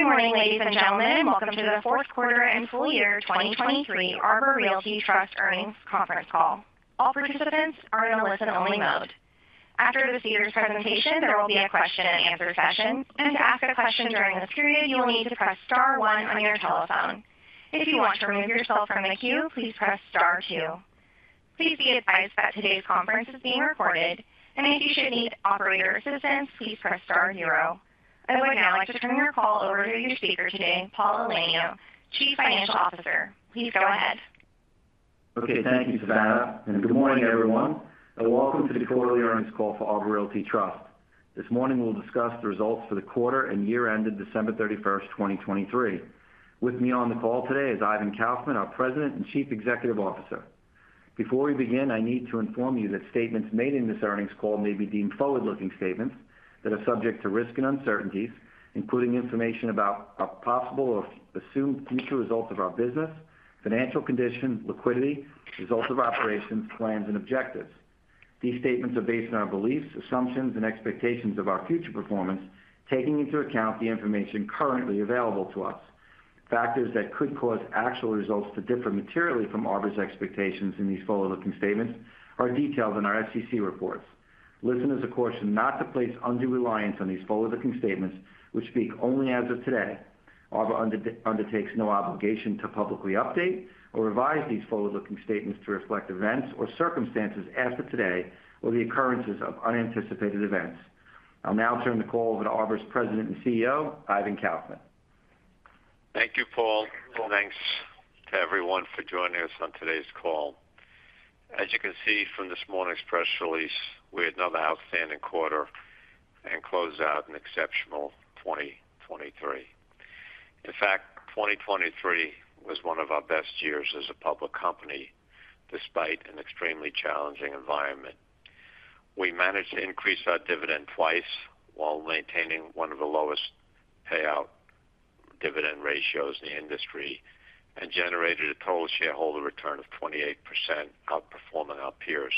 Good morning, ladies and gentlemen, and welcome to the fourth quarter and full year 2023 Arbor Realty Trust earnings conference call. All participants are in a listen-only mode. After the speakers' presentation, there will be a question-and-answer session, and to ask a question during this period you will need to press star one on your telephone. If you want to remove yourself from the queue, please press star two. Please be advised that today's conference is being recorded, and if you should need operator assistance, please press star zero. I would now like to turn the call over to your speaker today, Paul Elenio, Chief Financial Officer. Please go ahead. Okay, thank you, Savannah, and good morning, everyone, and welcome to the quarterly earnings call for Arbor Realty Trust. This morning we'll discuss the results for the quarter and year-ended December 31st, 2023. With me on the call today is Ivan Kaufman, our President and Chief Executive Officer. Before we begin, I need to inform you that statements made in this earnings call may be deemed forward-looking statements that are subject to risk and uncertainties, including information about our possible or assumed future results of our business, financial condition, liquidity, results of operations, plans, and objectives. These statements are based on our beliefs, assumptions, and expectations of our future performance, taking into account the information currently available to us. Factors that could cause actual results to differ materially from Arbor's expectations in these forward-looking statements are detailed in our SEC reports. Listeners are cautioned not to place undue reliance on these forward-looking statements, which speak only as of today. Arbor undertakes no obligation to publicly update or revise these forward-looking statements to reflect events or circumstances as of today or the occurrences of unanticipated events. I'll now turn the call over to Arbor's President and CEO, Ivan Kaufman. Thank you, Paul, and thanks to everyone for joining us on today's call. As you can see from this morning's press release, we had another outstanding quarter and closed out an exceptional 2023. In fact, 2023 was one of our best years as a public company despite an extremely challenging environment. We managed to increase our dividend twice while maintaining one of the lowest payout dividend ratios in the industry and generated a total shareholder return of 28%, outperforming our peers.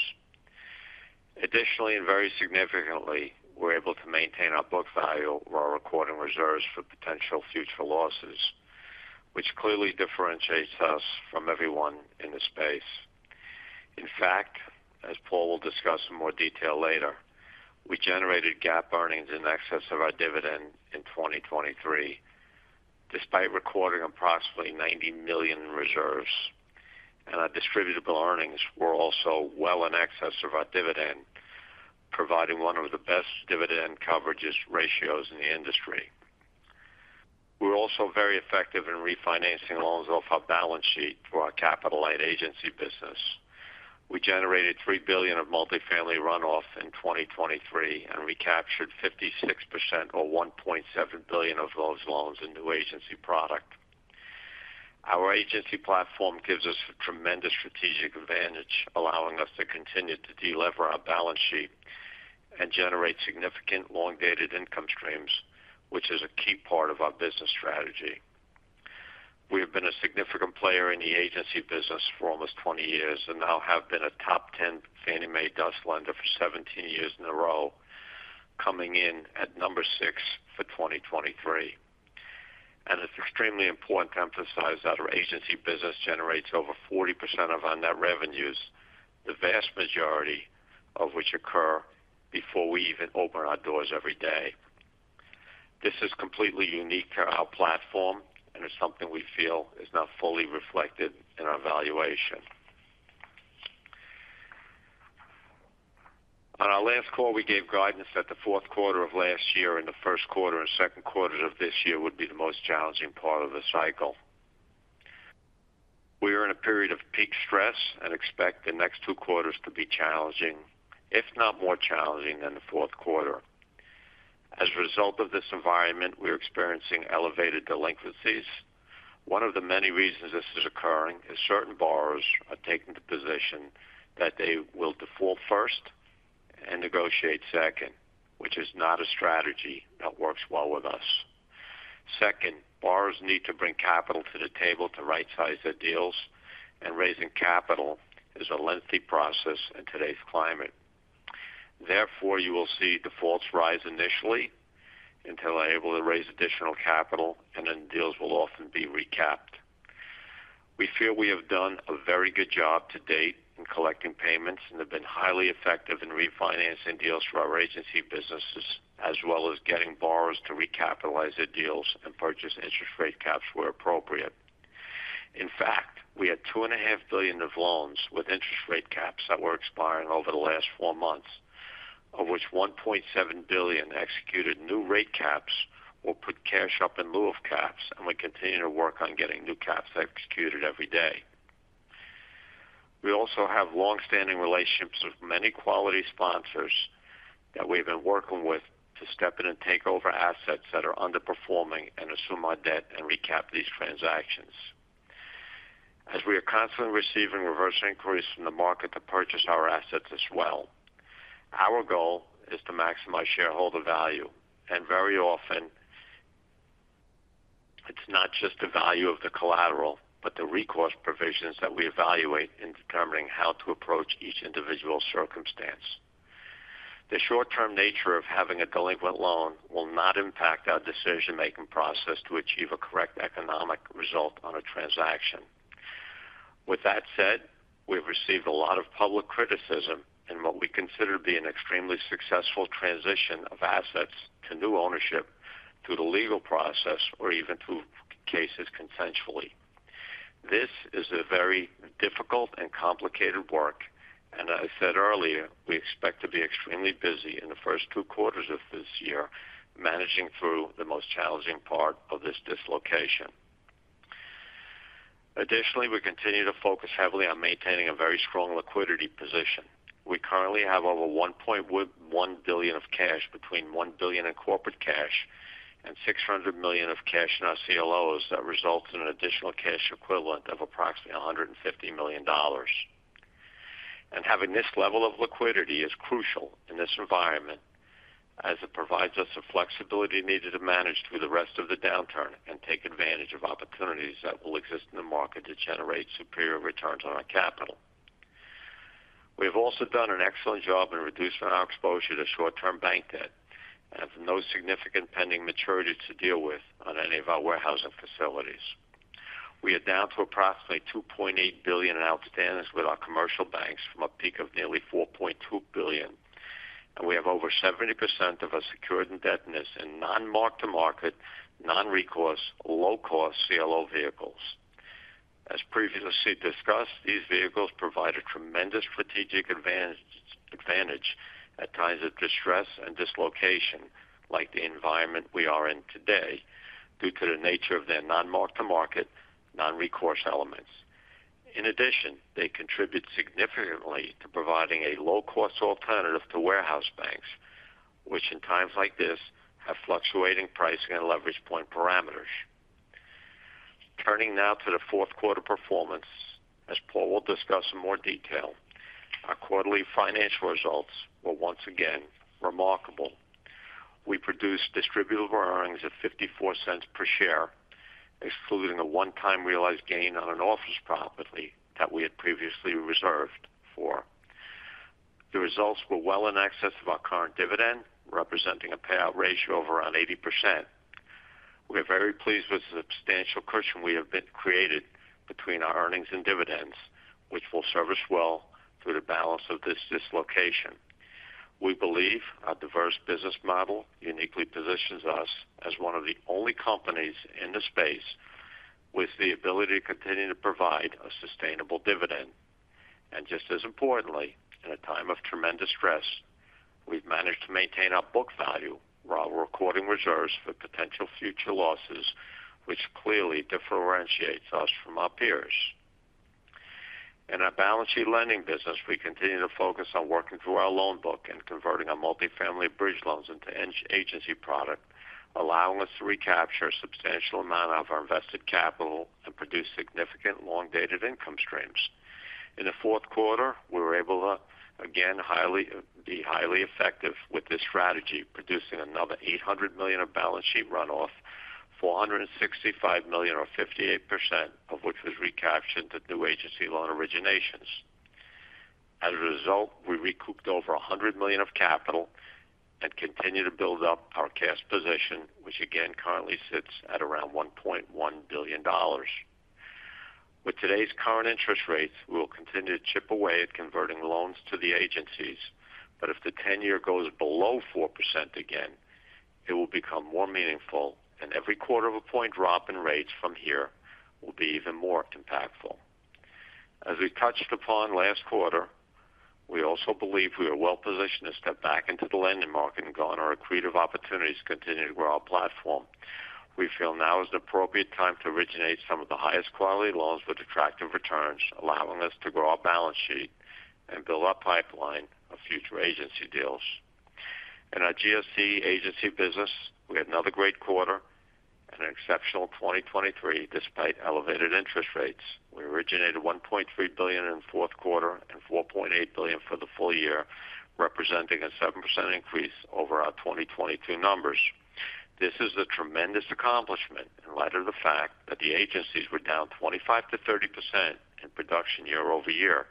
Additionally, and very significantly, we're able to maintain our book value while recording reserves for potential future losses, which clearly differentiates us from everyone in the space. In fact, as Paul will discuss in more detail later, we generated GAAP earnings in excess of our dividend in 2023 despite recording approximately $90 million in reserves, and our distributable earnings were also well in excess of our dividend, providing one of the best dividend coverage ratios in the industry. We were also very effective in refinancing loans off our balance sheet for our capital-light agency business. We generated $3 billion of multifamily runoff in 2023 and recaptured 56%, or $1.7 billion, of those loans in new agency product. Our agency platform gives us a tremendous strategic advantage, allowing us to continue to de-lever our balance sheet and generate significant long-dated income streams, which is a key part of our business strategy. We have been a significant player in the agency business for almost 20 years and now have been a top 10 Fannie Mae DUS Lender for 17 years in a row, coming in at number six for 2023. It's extremely important to emphasize that our agency business generates over 40% of our net revenues, the vast majority of which occur before we even open our doors every day. This is completely unique to our platform and is something we feel is not fully reflected in our valuation. On our last call, we gave guidance that the fourth quarter of last year and the first quarter and second quarters of this year would be the most challenging part of the cycle. We are in a period of peak stress and expect the next two quarters to be challenging, if not more challenging, than the fourth quarter. As a result of this environment, we are experiencing elevated delinquencies. One of the many reasons this is occurring is certain borrowers are taking the position that they will default first and negotiate second, which is not a strategy that works well with us. Second, borrowers need to bring capital to the table to right-size their deals, and raising capital is a lengthy process in today's climate. Therefore, you will see defaults rise initially until they're able to raise additional capital, and then deals will often be recapped. We feel we have done a very good job to date in collecting payments and have been highly effective in refinancing deals for our agency businesses, as well as getting borrowers to recapitalize their deals and purchase interest rate caps where appropriate. In fact, we had $2.5 billion of loans with interest rate caps that were expiring over the last four months, of which $1.7 billion executed new rate caps or put cash up in lieu of caps, and we continue to work on getting new caps executed every day. We also have longstanding relationships with many quality sponsors that we have been working with to step in and take over assets that are underperforming and assume our debt and recap these transactions. As we are constantly receiving reverse inquiries from the market to purchase our assets as well, our goal is to maximize shareholder value, and very often, it's not just the value of the collateral but the recourse provisions that we evaluate in determining how to approach each individual circumstance. The short-term nature of having a delinquent loan will not impact our decision-making process to achieve a correct economic result on a transaction. With that said, we've received a lot of public criticism in what we consider to be an extremely successful transition of assets to new ownership through the legal process or even through cases consensually. This is a very difficult and complicated work, and as I said earlier, we expect to be extremely busy in the first two quarters of this year managing through the most challenging part of this dislocation. Additionally, we continue to focus heavily on maintaining a very strong liquidity position. We currently have over $1.1 billion of cash, between $1 billion in corporate cash and $600 million of cash in our CLOs that results in an additional cash equivalent of approximately $150 million. Having this level of liquidity is crucial in this environment as it provides us the flexibility needed to manage through the rest of the downturn and take advantage of opportunities that will exist in the market to generate superior returns on our capital. We have also done an excellent job in reducing our exposure to short-term bank debt and have no significant pending maturities to deal with on any of our warehousing facilities. We are down to approximately $2.8 billion in outstandings with our commercial banks from a peak of nearly $4.2 billion, and we have over 70% of our secured indebtedness in non-mark-to-market, non-recourse, low-cost CLO vehicles. As previously discussed, these vehicles provide a tremendous strategic advantage at times of distress and dislocation like the environment we are in today due to the nature of their non-mark-to-market, non-recourse elements. In addition, they contribute significantly to providing a low-cost alternative to warehouse banks, which in times like this have fluctuating pricing and leverage point parameters. Turning now to the fourth quarter performance, as Paul will discuss in more detail, our quarterly financial results were once again remarkable. We produced distributable earnings of $0.54 per share, excluding a one-time realized gain on an office property that we had previously reserved for. The results were well in excess of our current dividend, representing a payout ratio of around 80%. We are very pleased with the substantial cushion we have created between our earnings and dividends, which will service well through the balance of this dislocation. We believe our diverse business model uniquely positions us as one of the only companies in the space with the ability to continue to provide a sustainable dividend. Just as importantly, in a time of tremendous stress, we've managed to maintain our book value while recording reserves for potential future losses, which clearly differentiates us from our peers. In our balance sheet lending business, we continue to focus on working through our loan book and converting our multifamily bridge loans into agency product, allowing us to recapture a substantial amount of our invested capital and produce significant long-dated income streams. In the fourth quarter, we were able to, again, be highly effective with this strategy, producing another $800 million of balance sheet runoff, $465 million, or 58% of which was recaptured through new agency loan originations. As a result, we recouped over $100 million of capital and continue to build up our cash position, which again currently sits at around $1.1 billion. With today's current interest rates, we will continue to chip away at converting loans to the agencies, but if the 10-year goes below 4% again, it will become more meaningful, and every quarter of a point drop in rates from here will be even more impactful. As we touched upon last quarter, we also believe we are well positioned to step back into the lending market and garner accretive opportunities to continue to grow our platform. We feel now is an appropriate time to originate some of the highest quality loans with attractive returns, allowing us to grow our balance sheet and build our pipeline of future agency deals. In our GSE/Agency business, we had another great quarter and an exceptional 2023 despite elevated interest rates. We originated $1.3 billion in the fourth quarter and $4.8 billion for the full year, representing a 7% increase over our 2022 numbers. This is a tremendous accomplishment in light of the fact that the agencies were down 25%-30% in production year-over-year.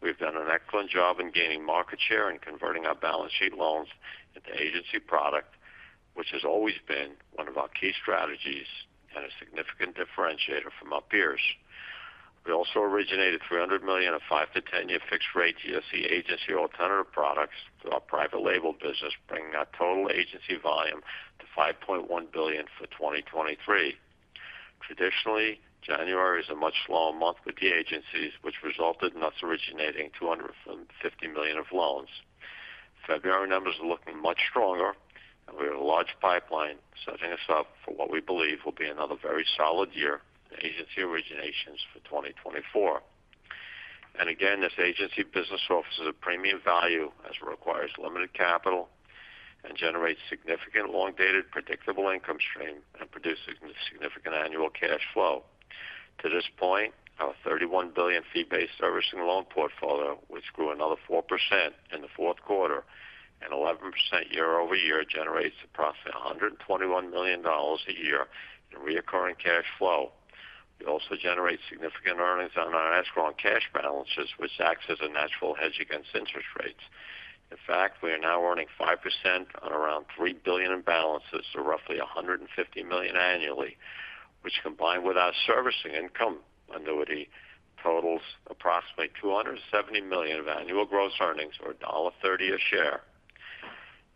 We have done an excellent job in gaining market share and converting our balance sheet loans into agency product, which has always been one of our key strategies and a significant differentiator from our peers. We also originated $300 million of 5 to 10-year fixed-rate GSE/Agency alternative products through our private-labeled business, bringing our total agency volume to $5.1 billion for 2023. Traditionally, January is a much slower month with the agencies, which resulted in us originating $250 million of loans. February numbers are looking much stronger, and we have a large pipeline setting us up for what we believe will be another very solid year in agency originations for 2024. And again, this agency business offers a premium value as it requires limited capital and generates significant long-dated predictable income stream and produces significant annual cash flow. To this point, our $31 billion fee-based servicing loan portfolio, which grew another 4% in the fourth quarter and 11% year-over-year, generates approximately $121 million a year in recurring cash flow. We also generate significant earnings on our escrow and cash balances, which acts as a natural hedge against interest rates. In fact, we are now earning 5% on around $3 billion in balances to roughly $150 million annually, which combined with our servicing income annuity totals approximately $270 million of annual gross earnings or $1.30 a share.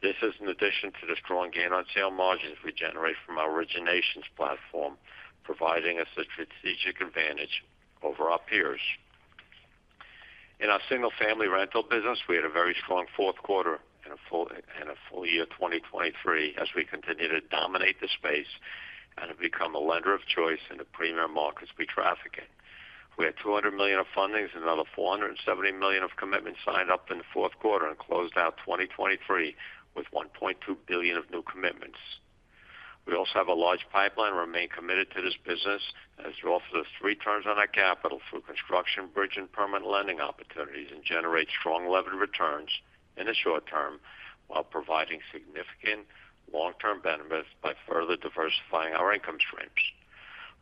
This is in addition to the strong gain on sale margins we generate from our originations platform, providing us a strategic advantage over our peers. In our single-family rental business, we had a very strong fourth quarter and a full year 2023 as we continue to dominate the space and have become a lender of choice in the premier markets we traffic in. We had $200 million of fundings and another $470 million of commitments signed up in the fourth quarter and closed out 2023 with $1.2 billion of new commitments. We also have a large pipeline and remain committed to this business as we offer three terms on our capital through construction, bridge, and permanent lending opportunities and generate strong leverage returns in the short term while providing significant long-term benefits by further diversifying our income streams.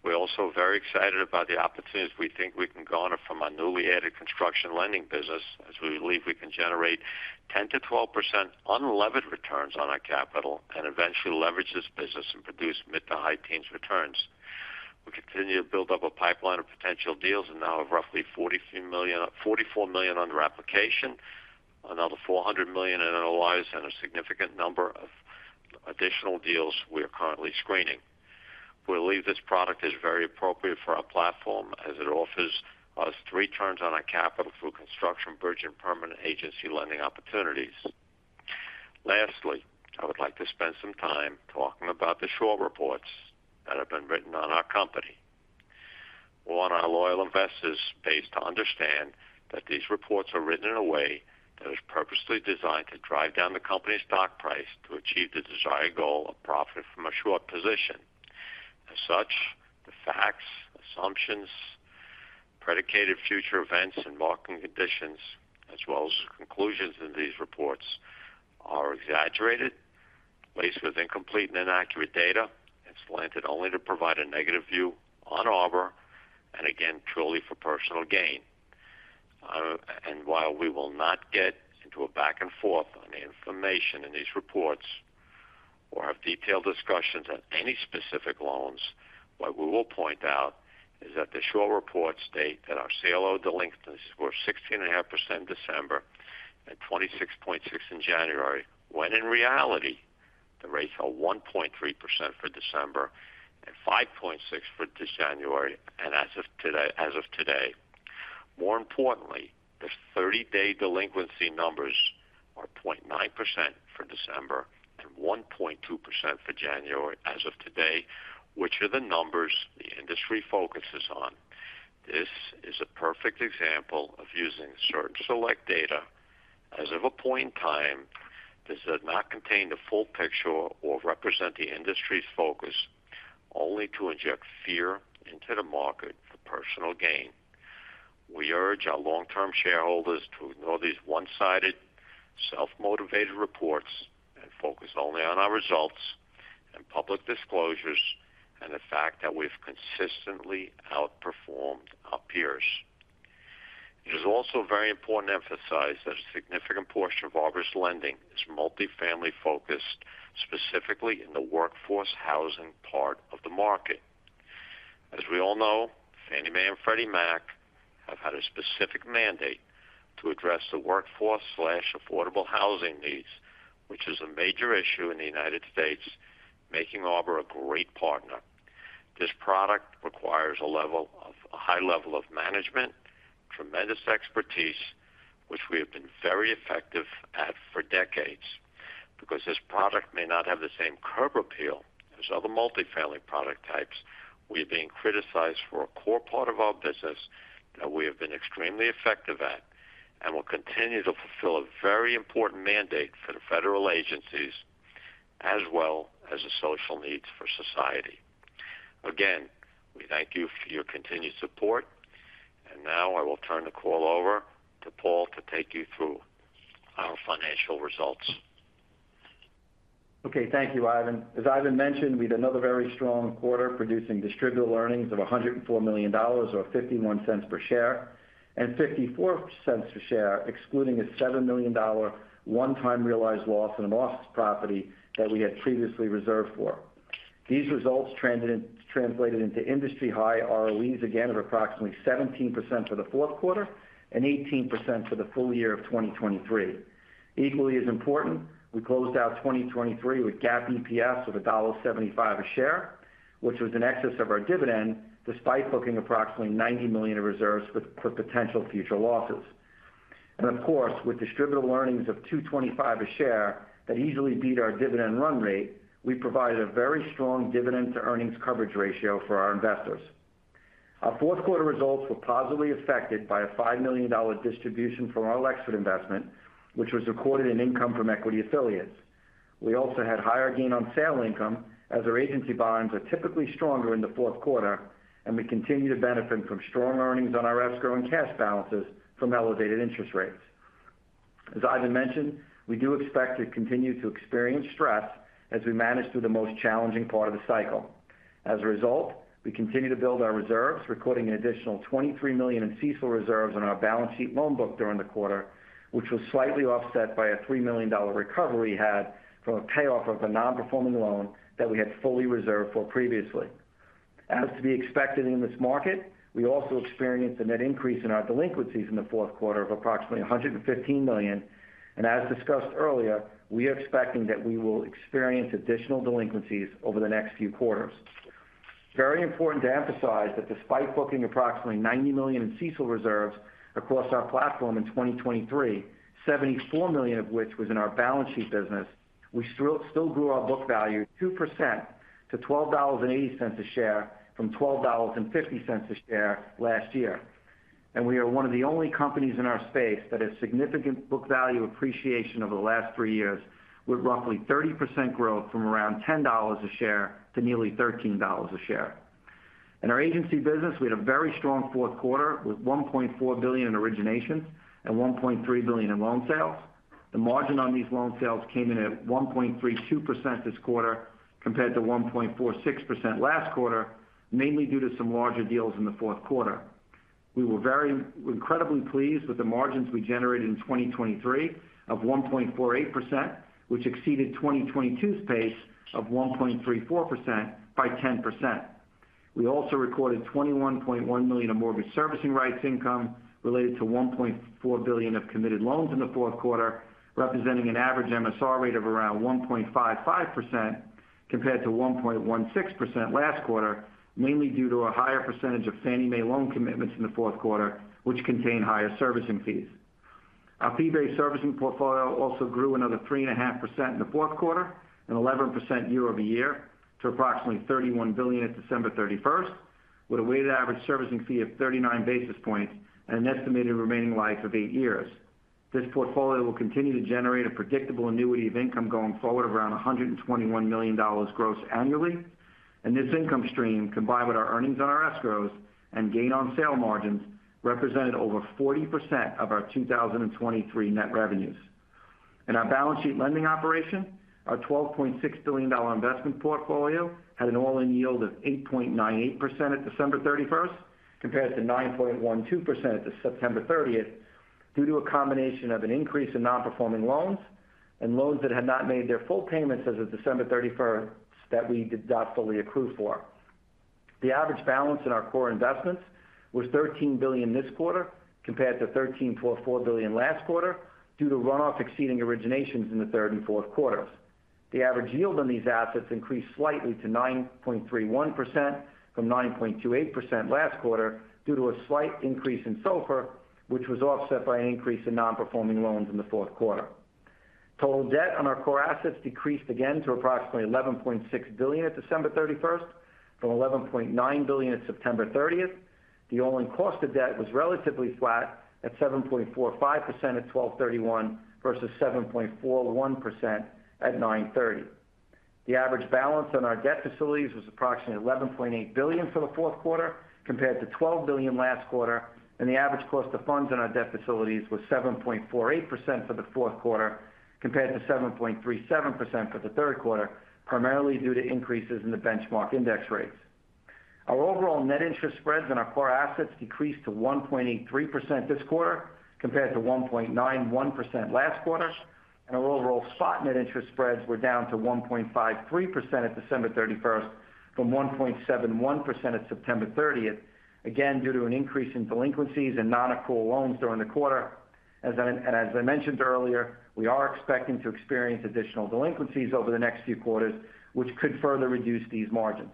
We are also very excited about the opportunities we think we can garner from our newly added construction lending business as we believe we can generate 10%-12% unleveraged returns on our capital and eventually leverage this business and produce mid to high teens returns. We continue to build up a pipeline of potential deals and now have roughly $44 million under application, another $400 million in analyzed, and a significant number of additional deals we are currently screening. We believe this product is very appropriate for our platform as it offers us three terms on our capital through construction, bridge, and permanent agency lending opportunities. Lastly, I would like to spend some time talking about the short reports that have been written on our company. We want our loyal investor base to understand that these reports are written in a way that is purposely designed to drive down the company's stock price to achieve the desired goal of profit from a short position. As such, the facts, assumptions, predicted future events, and market conditions, as well as conclusions in these reports, are exaggerated, laced with incomplete and inaccurate data, and slanted only to provide a negative view on Arbor and, again, truly for personal gain. While we will not get into a back-and-forth on the information in these reports or have detailed discussions on any specific loans, what we will point out is that the short reports state that our CLO delinquencies were 16.5% in December and 26.6% in January, when in reality, the rates are 1.3% for December and 5.6% for January as of today. More importantly, the 30-day delinquency numbers are 0.9% for December and 1.2% for January as of today, which are the numbers the industry focuses on. This is a perfect example of using certain select data as of a point in time that does not contain the full picture or represent the industry's focus, only to inject fear into the market for personal gain. We urge our long-term shareholders to ignore these one-sided, self-motivated reports and focus only on our results and public disclosures and the fact that we have consistently outperformed our peers. It is also very important to emphasize that a significant portion of Arbor's lending is multifamily-focused, specifically in the workforce housing part of the market. As we all know, Fannie Mae and Freddie Mac have had a specific mandate to address the workforce/affordable housing needs, which is a major issue in the United States, making Arbor a great partner. This product requires a high level of management, tremendous expertise, which we have been very effective at for decades. Because this product may not have the same curb appeal as other multifamily product types, we are being criticized for a core part of our business that we have been extremely effective at and will continue to fulfill a very important mandate for the federal agencies as well as the social needs for society. Again, we thank you for your continued support, and now I will turn the call over to Paul to take you through our financial results. Okay. Thank you, Ivan. As Ivan mentioned, we had another very strong quarter producing distributable earnings of $104 million or $0.51 per share and $0.54 per share excluding a $7 million one-time realized loss on an office property that we had previously reserved for. These results translated into industry-high ROEs again of approximately 17% for the fourth quarter and 18% for the full year of 2023. Equally as important, we closed out 2023 with GAAP EPS of $1.75 a share, which was in excess of our dividend despite booking approximately $90 million of reserves for potential future losses. And of course, with distributable earnings of $2.25 a share that easily beat our dividend run rate, we provided a very strong dividend-to-earnings coverage ratio for our investors. Our fourth quarter results were positively affected by a $5 million distribution from our Lexford investment, which was recorded in income from equity affiliates. We also had higher gain on sale income as our agency bonds are typically stronger in the fourth quarter, and we continue to benefit from strong earnings on our escrow and cash balances from elevated interest rates. As Ivan mentioned, we do expect to continue to experience stress as we manage through the most challenging part of the cycle. As a result, we continue to build our reserves, recording an additional $23 million in CECL reserves on our balance sheet loan book during the quarter, which was slightly offset by a $3 million recovery we had from a payoff of a non-performing loan that we had fully reserved for previously. As to be expected in this market, we also experienced a net increase in our delinquencies in the fourth quarter of approximately $115 million. As discussed earlier, we are expecting that we will experience additional delinquencies over the next few quarters. Very important to emphasize that despite booking approximately $90 million in CECL reserves across our platform in 2023, $74 million of which was in our balance sheet business, we still grew our book value 2% to $12.80 a share from $12.50 a share last year. We are one of the only companies in our space that has significant book value appreciation over the last three years with roughly 30% growth from around $10 a share to nearly $13 a share. In our agency business, we had a very strong fourth quarter with $1.4 billion in originations and $1.3 billion in loan sales. The margin on these loan sales came in at 1.32% this quarter compared to 1.46% last quarter, mainly due to some larger deals in the fourth quarter. We were incredibly pleased with the margins we generated in 2023 of 1.48%, which exceeded 2022's pace of 1.34% by 10%. We also recorded $21.1 million of mortgage servicing rights income related to $1.4 billion of committed loans in the fourth quarter, representing an average MSR rate of around 1.55% compared to 1.16% last quarter, mainly due to a higher percentage of Fannie Mae loan commitments in the fourth quarter, which contain higher servicing fees. Our fee-based servicing portfolio also grew another 3.5% in the fourth quarter and 11% year-over-year to approximately $31 billion at December 31st 2023, with a weighted average servicing fee of 39 basis points and an estimated remaining life of eight years. This portfolio will continue to generate a predictable annuity of income going forward of around $121 million gross annually. This income stream, combined with our earnings on our escrows and gain on sale margins, represented over 40% of our 2023 net revenues. In our balance sheet lending operation, our $12.6 billion investment portfolio had an all-in yield of 8.98% at December 31st 2023 compared to 9.12% at September 30th 2023 due to a combination of an increase in non-performing loans and loans that had not made their full payments as of December 31st 2023 that we did not fully accrue for. The average balance in our core investments was $13 billion this quarter compared to $13.4 billion last quarter due to runoff exceeding originations in the third and fourth quarters. The average yield on these assets increased slightly to 9.31% from 9.28% last quarter due to a slight increase in SOFR, which was offset by an increase in non-performing loans in the fourth quarter. Total debt on our core assets decreased again to approximately $11.6 billion at December 31st 2023 from $11.9 billion at September 30th 2023. The all-in cost of debt was relatively flat at 7.45% at December 31st 2023 versus 7.41% at September 30th 2023. The average balance on our debt facilities was approximately $11.8 billion for the fourth quarter compared to $12 billion last quarter. The average cost of funds on our debt facilities was 7.48% for the fourth quarter compared to 7.37% for the third quarter, primarily due to increases in the benchmark index rates. Our overall net interest spreads on our core assets decreased to 1.83% this quarter compared to 1.91% last quarter. Our overall spot net interest spreads were down to 1.53% at December 31st 2023 from 1.71% at September 30th 2023, again due to an increase in delinquencies and non-accrual loans during the quarter. As I mentioned earlier, we are expecting to experience additional delinquencies over the next few quarters, which could further reduce these margins.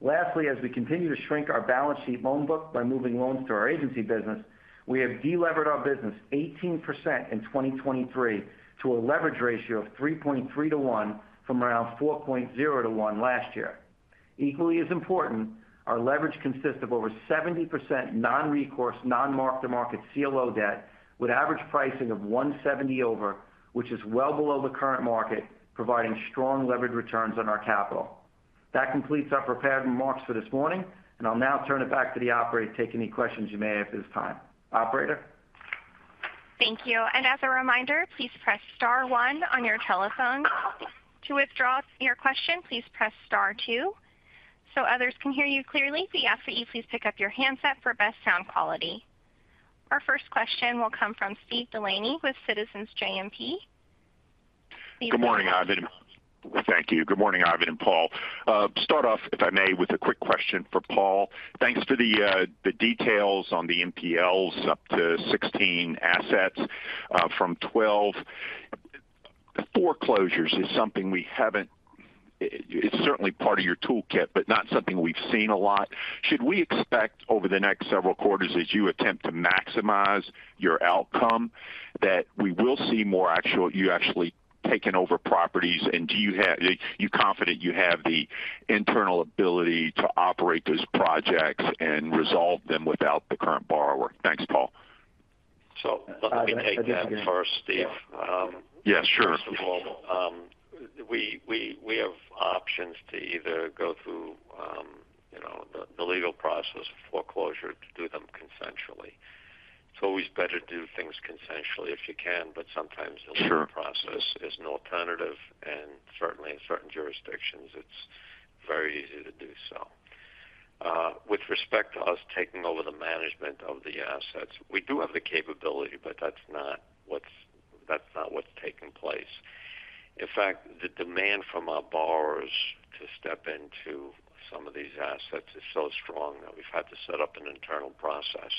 Lastly, as we continue to shrink our balance sheet loan book by moving loans to our agency business, we have deleveraged our business 18% in 2023 to a leverage ratio of 3.3:1 from around 4.0:1 last year. Equally as important, our leverage consists of over 70% non-recourse, non-mark-to-market CLO debt with average pricing of 170 over, which is well below the current market, providing strong leveraged returns on our capital. That completes our prepared remarks for this morning, and I'll now turn it back to the operator to take any questions you may have at this time. Operator? Thank you. And as a reminder, please press star one on your telephone. To withdraw your question, please press star two so others can hear you clearly. If we ask for you, please pick up your handset for best sound quality. Our first question will come from Steve Delaney with Citizens JMP. Steve Delaney? Good morning, Ivan, and thank you. Good morning, Ivan and Paul. Start off, if I may, with a quick question for Paul. Thanks for the details on the NPLs up to 16 assets from 12. Foreclosures is something we haven't. It's certainly part of your toolkit, but not something we've seen a lot. Should we expect over the next several quarters, as you attempt to maximize your outcome, that we will see more actual, you actually taking over properties? And are you confident you have the internal ability to operate those projects and resolve them without the current borrower? Thanks, Paul. Let me take that first, Steve. Yes, sure. First of all, we have options to either go through the legal process of foreclosure to do them consensually. It's always better to do things consensually if you can, but sometimes the legal process is no alternative. Certainly, in certain jurisdictions, it's very easy to do so. With respect to us taking over the management of the assets, we do have the capability, but that's not what's taking place. In fact, the demand from our borrowers to step into some of these assets is so strong that we've had to set up an internal process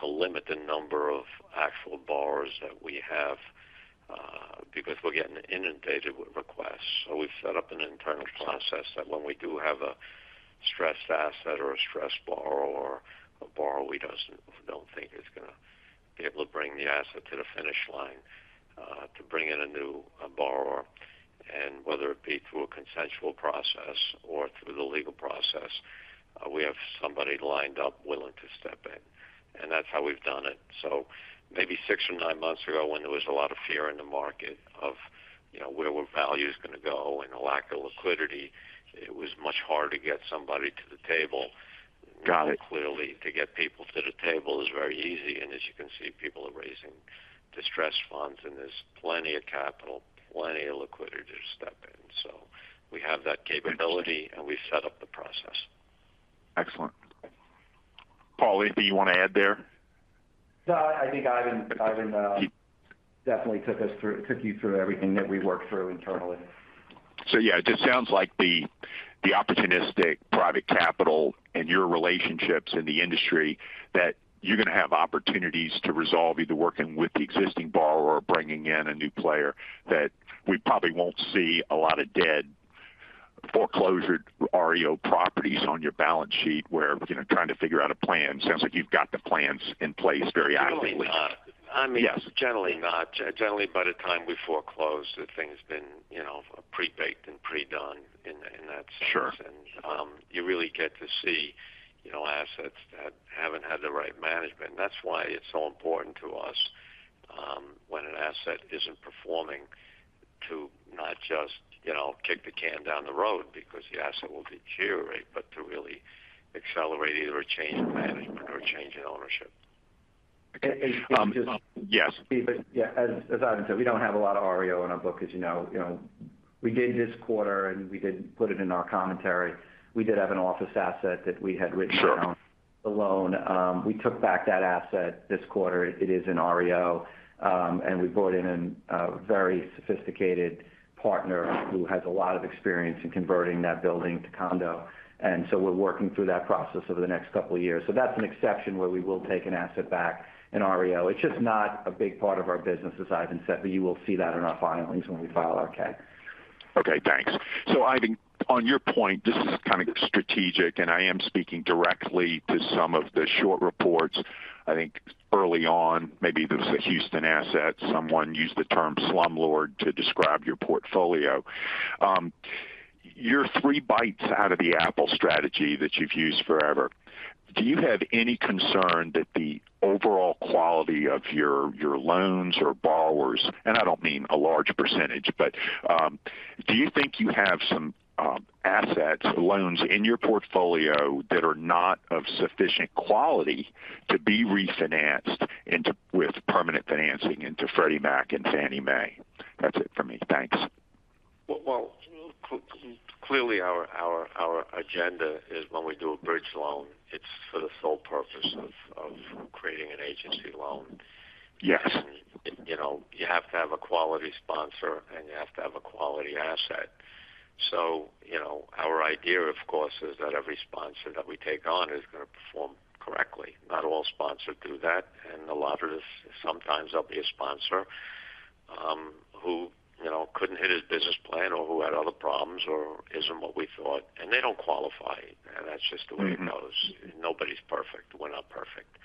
to limit the number of actual borrowers that we have because we're getting inundated with requests. So we've set up an internal process that when we do have a stressed asset or a stressed borrower or a borrower we don't think is going to be able to bring the asset to the finish line to bring in a new borrower, and whether it be through a consensual process or through the legal process, we have somebody lined up willing to step in. And that's how we've done it. So maybe six or nine months ago, when there was a lot of fear in the market of where were values going to go and a lack of liquidity, it was much harder to get somebody to the table. Clearly, to get people to the table is very easy. And as you can see, people are raising distress funds, and there's plenty of capital, plenty of liquidity to step in. So we have that capability, and we've set up the process. Excellent. Paul, anything you want to add there? No, I think Ivan definitely took you through everything that we worked through internally. So yeah, it just sounds like the opportunistic private capital and your relationships in the industry, that you're going to have opportunities to resolve either working with the existing borrower or bringing in a new player, that we probably won't see a lot of dead foreclosed REO properties on your balance sheet while trying to figure out a plan. Sounds like you've got the plans in place very actively. Generally not. I mean, generally not. Generally, by the time we foreclose, the thing's been pre-baked and pre-done in that sense. And you really get to see assets that haven't had the right management. And that's why it's so important to us when an asset isn't performing to not just kick the can down the road because the asset will deteriorate, but to really accelerate either a change in management or a change in ownership. Steve, yeah, as Ivan said, we don't have a lot of REO in our book, as you know. We did this quarter, and we did put it in our commentary. We did have an office asset that we had written down the loan. We took back that asset this quarter. It is in REO. And we brought in a very sophisticated partner who has a lot of experience in converting that building to condo. And so we're working through that process over the next couple of years. So that's an exception where we will take an asset back in REO. It's just not a big part of our business, as Ivan said, but you will see that in our filings when we file our Form 10-K. Okay, thanks. So Ivan, on your point, this is kind of strategic, and I am speaking directly to some of the short reports. I think early on, maybe it was the Houston assets. Someone used the term slumlord to describe your portfolio. Your three bites out of the apple strategy that you've used forever, do you have any concern that the overall quality of your loans or borrowers and I don't mean a large percentage, but do you think you have some assets, loans in your portfolio that are not of sufficient quality to be refinanced with permanent financing into Freddie Mac and Fannie Mae? That's it for me. Thanks. Well, clearly, our agenda is when we do a bridge loan, it's for the sole purpose of creating an agency loan. And you have to have a quality sponsor, and you have to have a quality asset. So our idea, of course, is that every sponsor that we take on is going to perform correctly. Not all sponsors do that. And a lot of this, sometimes there'll be a sponsor who couldn't hit his business plan or who had other problems or isn't what we thought. And they don't qualify. And that's just the way it goes. Nobody's perfect. We're not perfect.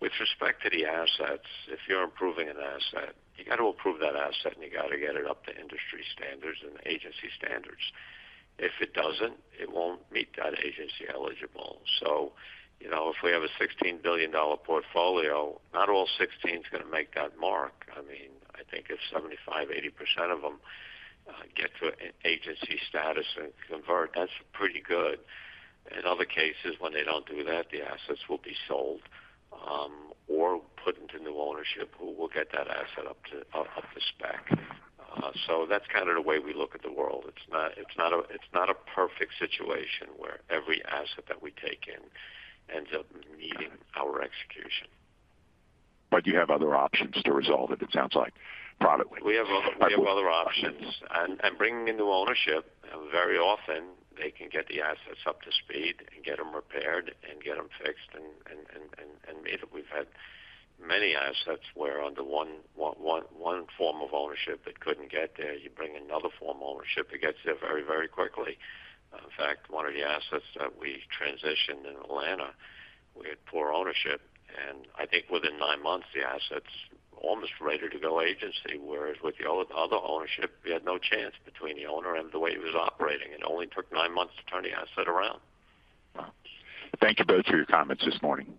With respect to the assets, if you're improving an asset, you got to improve that asset, and you got to get it up to industry standards and agency standards. If it doesn't, it won't meet that agency eligibility. So if we have a $16 billion portfolio, not all 16 is going to make that mark. I mean, I think if 75%-80% of them get to agency status and convert, that's pretty good. In other cases, when they don't do that, the assets will be sold or put into new ownership who will get that asset up to spec. So that's kind of the way we look at the world. It's not a perfect situation where every asset that we take in ends up needing our execution. But you have other options to resolve it, it sounds like, product-wise. We have other options. Bringing into ownership, very often, they can get the assets up to speed and get them repaired and get them fixed. We've had many assets where under one form of ownership, it couldn't get there. You bring another form of ownership. It gets there very, very quickly. In fact, one of the assets that we transitioned in Atlanta, we had poor ownership. I think within nine months, the asset's almost ready to go agency, whereas with the other ownership, we had no chance between the owner and the way he was operating. It only took nine months to turn the asset around. Wow. Thank you both for your comments this morning.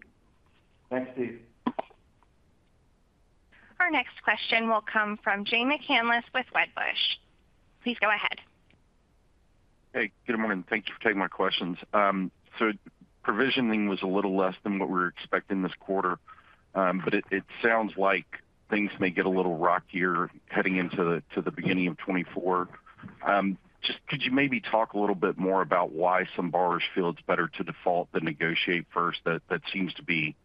Thanks, Steve. Our next question will come from Jay McCanless with Wedbush. Please go ahead. Hey, good morning. Thank you for taking my questions. So provisioning was a little less than what we were expecting this quarter, but it sounds like things may get a little rockier heading into the beginning of 2024. Just could you maybe talk a little bit more about why some borrowers feel it's better to default than negotiate first? That seems to be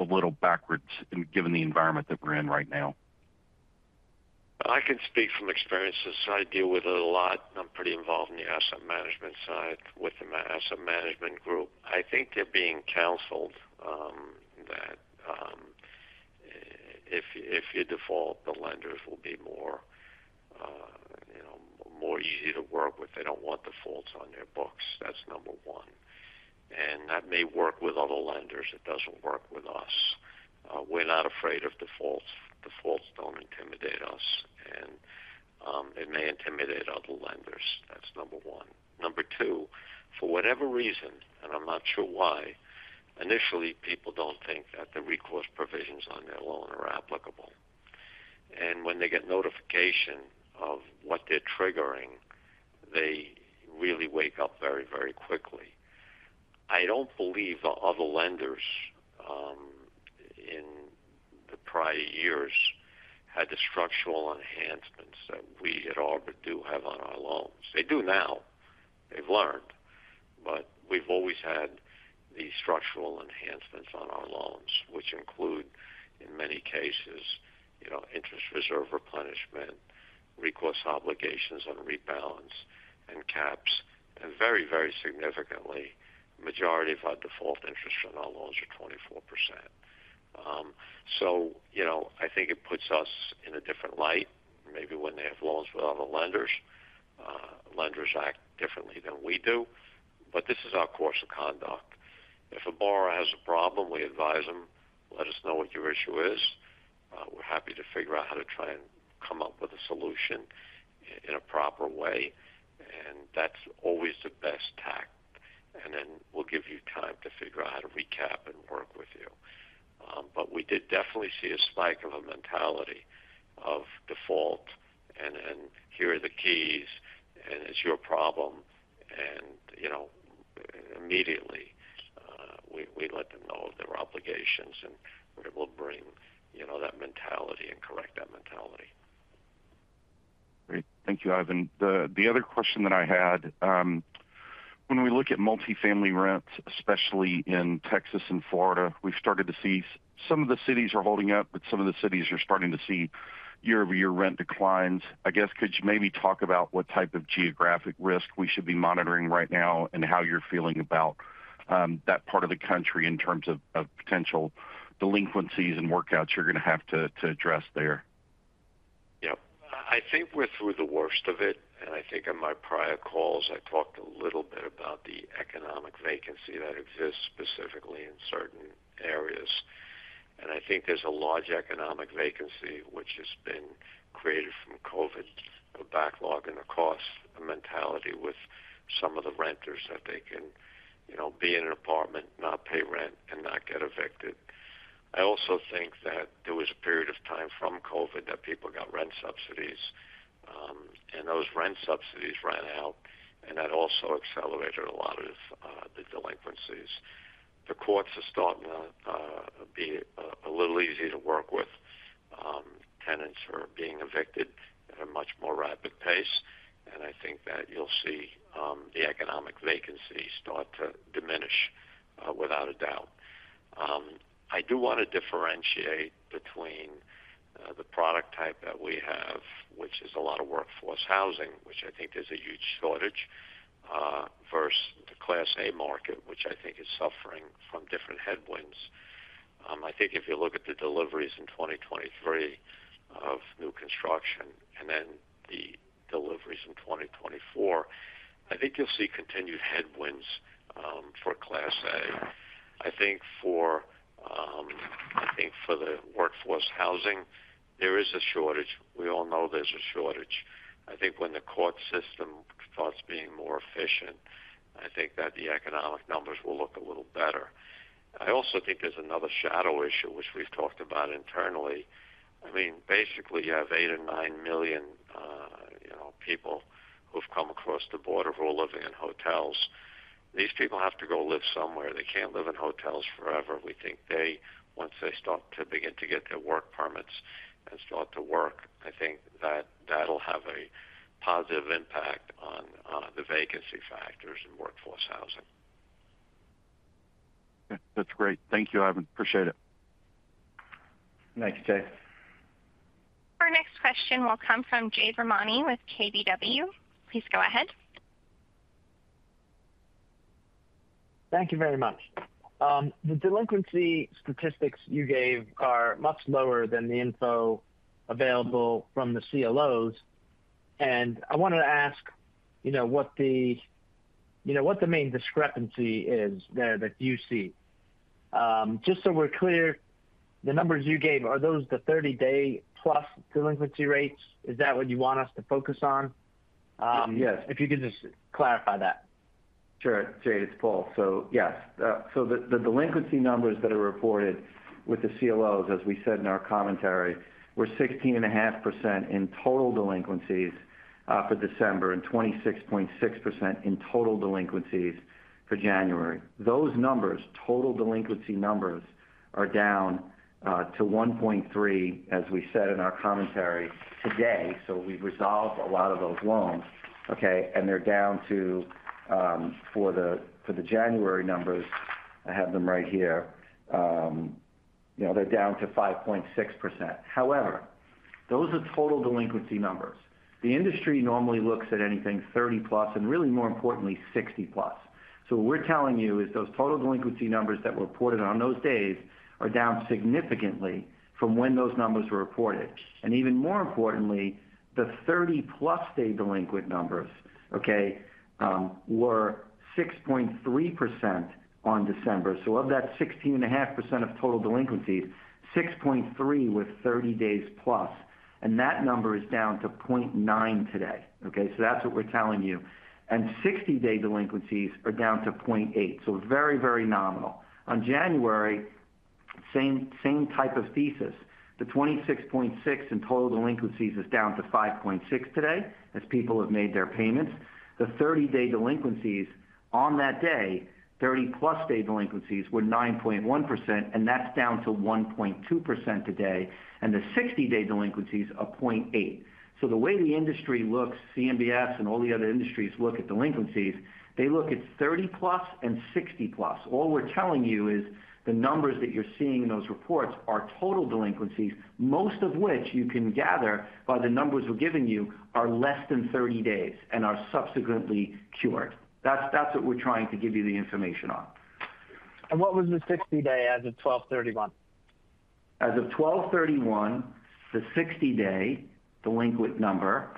a little backwards given the environment that we're in right now. I can speak from experience. I deal with it a lot. I'm pretty involved in the asset management side within my asset management group. I think they're being counseled that if you default, the lenders will be more easy to work with. They don't want defaults on their books. That's number one. And that may work with other lenders. It doesn't work with us. We're not afraid of defaults. Defaults don't intimidate us. And it may intimidate other lenders. That's number one. Number two, for whatever reason, and I'm not sure why, initially, people don't think that the recourse provisions on their loan are applicable. And when they get notification of what they're triggering, they really wake up very, very quickly. I don't believe the other lenders in the prior years had the structural enhancements that we at Arbor do have on our loans. They do now. They've learned. But we've always had the structural enhancements on our loans, which include, in many cases, interest reserve replenishment, recourse obligations on rebalance, and caps. And very, very significantly, the majority of our default interest on our loans are 24%. So I think it puts us in a different light. Maybe when they have loans with other lenders, lenders act differently than we do. But this is our course of conduct. If a borrower has a problem, we advise them, Let us know what your issue is. We're happy to figure out how to try and come up with a solution in a proper way. And that's always the best tack. And then we'll give you time to figure out how to recap and work with you. But we did definitely see a spike of a mentality of default, and then here are the keys, and it's your problem. Immediately, we let them know of their obligations. We're able to bring that mentality and correct that mentality. Great. Thank you, Ivan. The other question that I had, when we look at multifamily rents, especially in Texas and Florida, we've started to see some of the cities are holding up, but some of the cities are starting to see year-over-year rent declines. I guess could you maybe talk about what type of geographic risk we should be monitoring right now and how you're feeling about that part of the country in terms of potential delinquencies and workouts you're going to have to address there? Yep. I think we're through the worst of it. I think in my prior calls, I talked a little bit about the economic vacancy that exists specifically in certain areas. I think there's a large economic vacancy, which has been created from COVID, a backlog and a cost mentality with some of the renters that they can be in an apartment, not pay rent, and not get evicted. I also think that there was a period of time from COVID that people got rent subsidies. Those rent subsidies ran out. That also accelerated a lot of the delinquencies. The courts are starting to be a little easier to work with. Tenants are being evicted at a much more rapid pace. I think that you'll see the economic vacancy start to diminish, without a doubt. I do want to differentiate between the product type that we have, which is a lot of workforce housing, which I think is a huge shortage, versus the Class A market, which I think is suffering from different headwinds. I think if you look at the deliveries in 2023 of new construction and then the deliveries in 2024, I think you'll see continued headwinds for Class A. I think for the workforce housing, there is a shortage. We all know there's a shortage. I think when the court system starts being more efficient, I think that the economic numbers will look a little better. I also think there's another shadow issue, which we've talked about internally. I mean, basically, you have eight and nine million people who have come across the border who are living in hotels. These people have to go live somewhere. They can't live in hotels forever. We think once they start to begin to get their work permits and start to work, I think that that'll have a positive impact on the vacancy factors in workforce housing. That's great. Thank you, Ivan. Appreciate it. Thanks, Jay. Our next question will come from Jade Rahmani with KBW. Please go ahead. Thank you very much. The delinquency statistics you gave are much lower than the info available from the CLOs. I wanted to ask what the main discrepancy is there that you see. Just so we're clear, the numbers you gave, are those the 30+ day delinquency rates? Is that what you want us to focus on? If you could just clarify that. Sure, Jade. It's Paul. So yes. So the delinquency numbers that are reported with the CLOs, as we said in our commentary, were 16.5% in total delinquencies for December and 26.6% in total delinquencies for January. Those numbers, total delinquency numbers, are down to 1.3%, as we said in our commentary today. So we've resolved a lot of those loans, okay? And they're down to for the January numbers, I have them right here, they're down to 5.6%. However, those are total delinquency numbers. The industry normally looks at anything 30+ and really, more importantly, 60+. So what we're telling you is those total delinquency numbers that were reported on those days are down significantly from when those numbers were reported. And even more importantly, the 30+ day delinquent numbers, okay, were 6.3% on December. So of that 16.5% of total delinquencies, 6.3% with 30+ days. That number is down to 0.9 today, okay? So that's what we're telling you. 60-day delinquencies are down to 0.8. So very, very nominal. On January, same type of thesis. The 26.6 in total delinquencies is down to 5.6 today as people have made their payments. The 30-day delinquencies on that day, 30+ day delinquencies, were 9.1%. And that's down to 1.2% today. The 60-day delinquencies are 0.8. So the way the industry looks, CMBS and all the other industries look at delinquencies, they look at 30+ and 60+. All we're telling you is the numbers that you're seeing in those reports are total delinquencies, most of which you can gather by the numbers we're giving you, are less than 30 days and are subsequently cured. That's what we're trying to give you the information on. What was the 60-day as of 12/31/2023? As of 12/31/2023, the 60-day delinquent number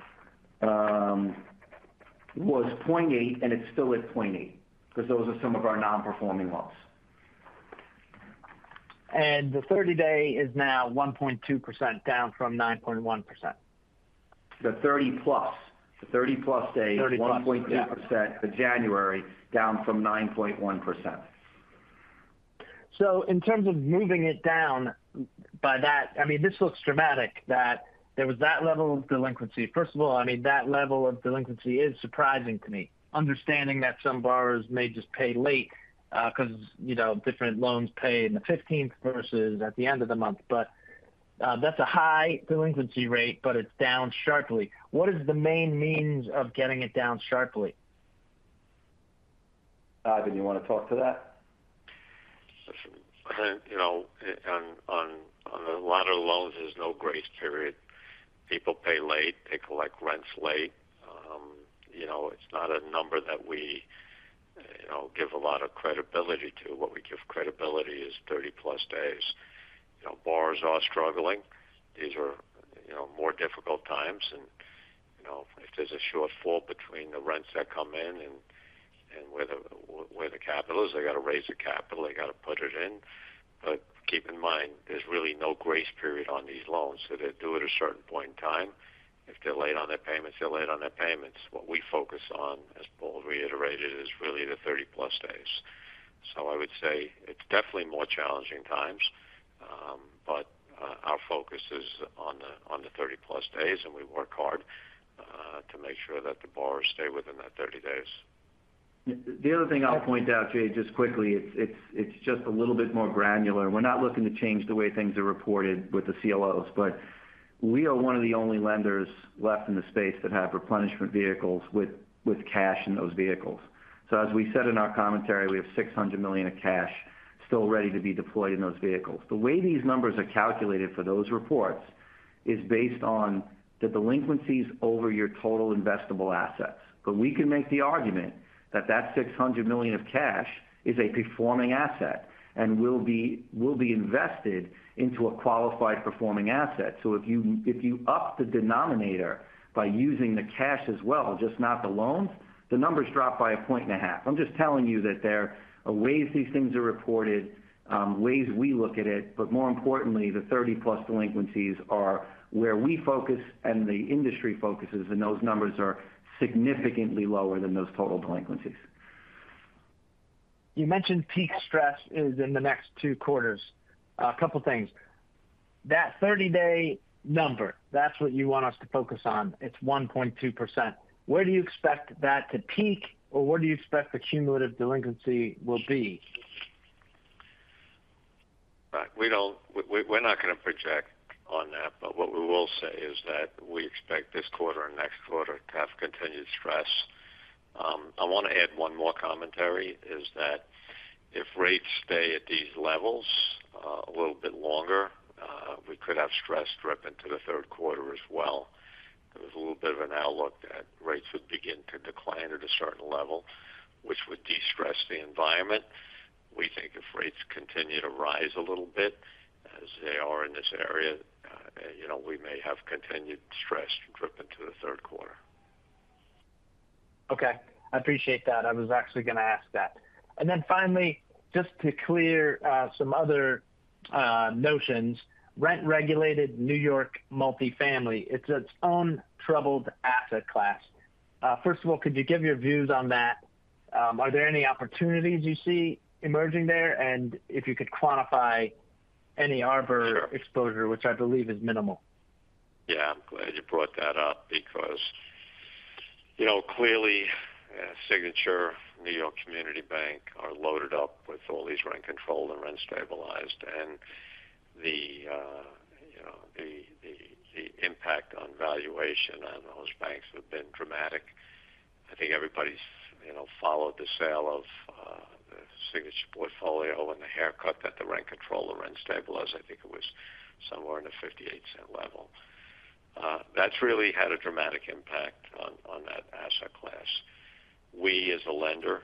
was 0.8%, and it's still at 0.8% because those are some of our non-performing loans. The 30-day is now 1.2% down from 9.1%. The 30+ day, 1.2% for January, down from 9.1%. So, in terms of moving it down by that, I mean, this looks dramatic that there was that level of delinquency. First of all, I mean, that level of delinquency is surprising to me, understanding that some borrowers may just pay late because different loans pay in the 15th versus at the end of the month. But that's a high delinquency rate, but it's down sharply. What is the main means of getting it down sharply? Ivan, you want to talk to that? I think on the latter loans, there's no grace period. People pay late. They collect rents late. It's not a number that we give a lot of credibility to. What we give credibility is 30+ days. Borrowers are struggling. These are more difficult times. If there's a shortfall between the rents that come in and where the capital is, they got to raise the capital. They got to put it in. Keep in mind, there's really no grace period on these loans. They do it at a certain point in time. If they're late on their payments, they're late on their payments. What we focus on, as Paul reiterated, is really the 30+ days. I would say it's definitely more challenging times. Our focus is on the 30+ days. We work hard to make sure that the borrowers stay within that 30 days. The other thing I'll point out, Jade, just quickly, it's just a little bit more granular. We're not looking to change the way things are reported with the CLOs. But we are one of the only lenders left in the space that have replenishment vehicles with cash in those vehicles. So as we said in our commentary, we have $600 million of cash still ready to be deployed in those vehicles. The way these numbers are calculated for those reports is based on the delinquencies over your total investable assets. But we can make the argument that that $600 million of cash is a performing asset and will be invested into a qualified performing asset. So if you up the denominator by using the cash as well, just not the loans, the numbers drop by 1.5 points. I'm just telling you that there are ways these things are reported, ways we look at it. But more importantly, the 30+ delinquencies are where we focus and the industry focuses. And those numbers are significantly lower than those total delinquencies. You mentioned peak stress is in the next two quarters. A couple of things. That 30-day number, that's what you want us to focus on. It's 1.2%. Where do you expect that to peak? Or where do you expect the cumulative delinquency will be? We're not going to project on that. But what we will say is that we expect this quarter and next quarter to have continued stress. I want to add one more commentary, is that if rates stay at these levels a little bit longer, we could have stress drip into the third quarter as well. There was a little bit of an outlook that rates would begin to decline at a certain level, which would de-stress the environment. We think if rates continue to rise a little bit as they are in this area, we may have continued stress drip into the third quarter. Okay. I appreciate that. I was actually going to ask that. And then finally, just to clear some other notions, rent-regulated New York multifamily, it's its own troubled asset class. First of all, could you give your views on that? Are there any opportunities you see emerging there? And if you could quantify any Arbor exposure, which I believe is minimal. Yeah. I'm glad you brought that up because clearly, Signature Bank, New York Community Bank are loaded up with all these rent-controlled and rent-stabilized. The impact on valuation on those banks has been dramatic. I think everybody's followed the sale of the Signature portfolio and the haircut that the rent-controlled rent-stabilized. I think it was somewhere in the $0.58 level. That's really had a dramatic impact on that asset class. We, as a lender,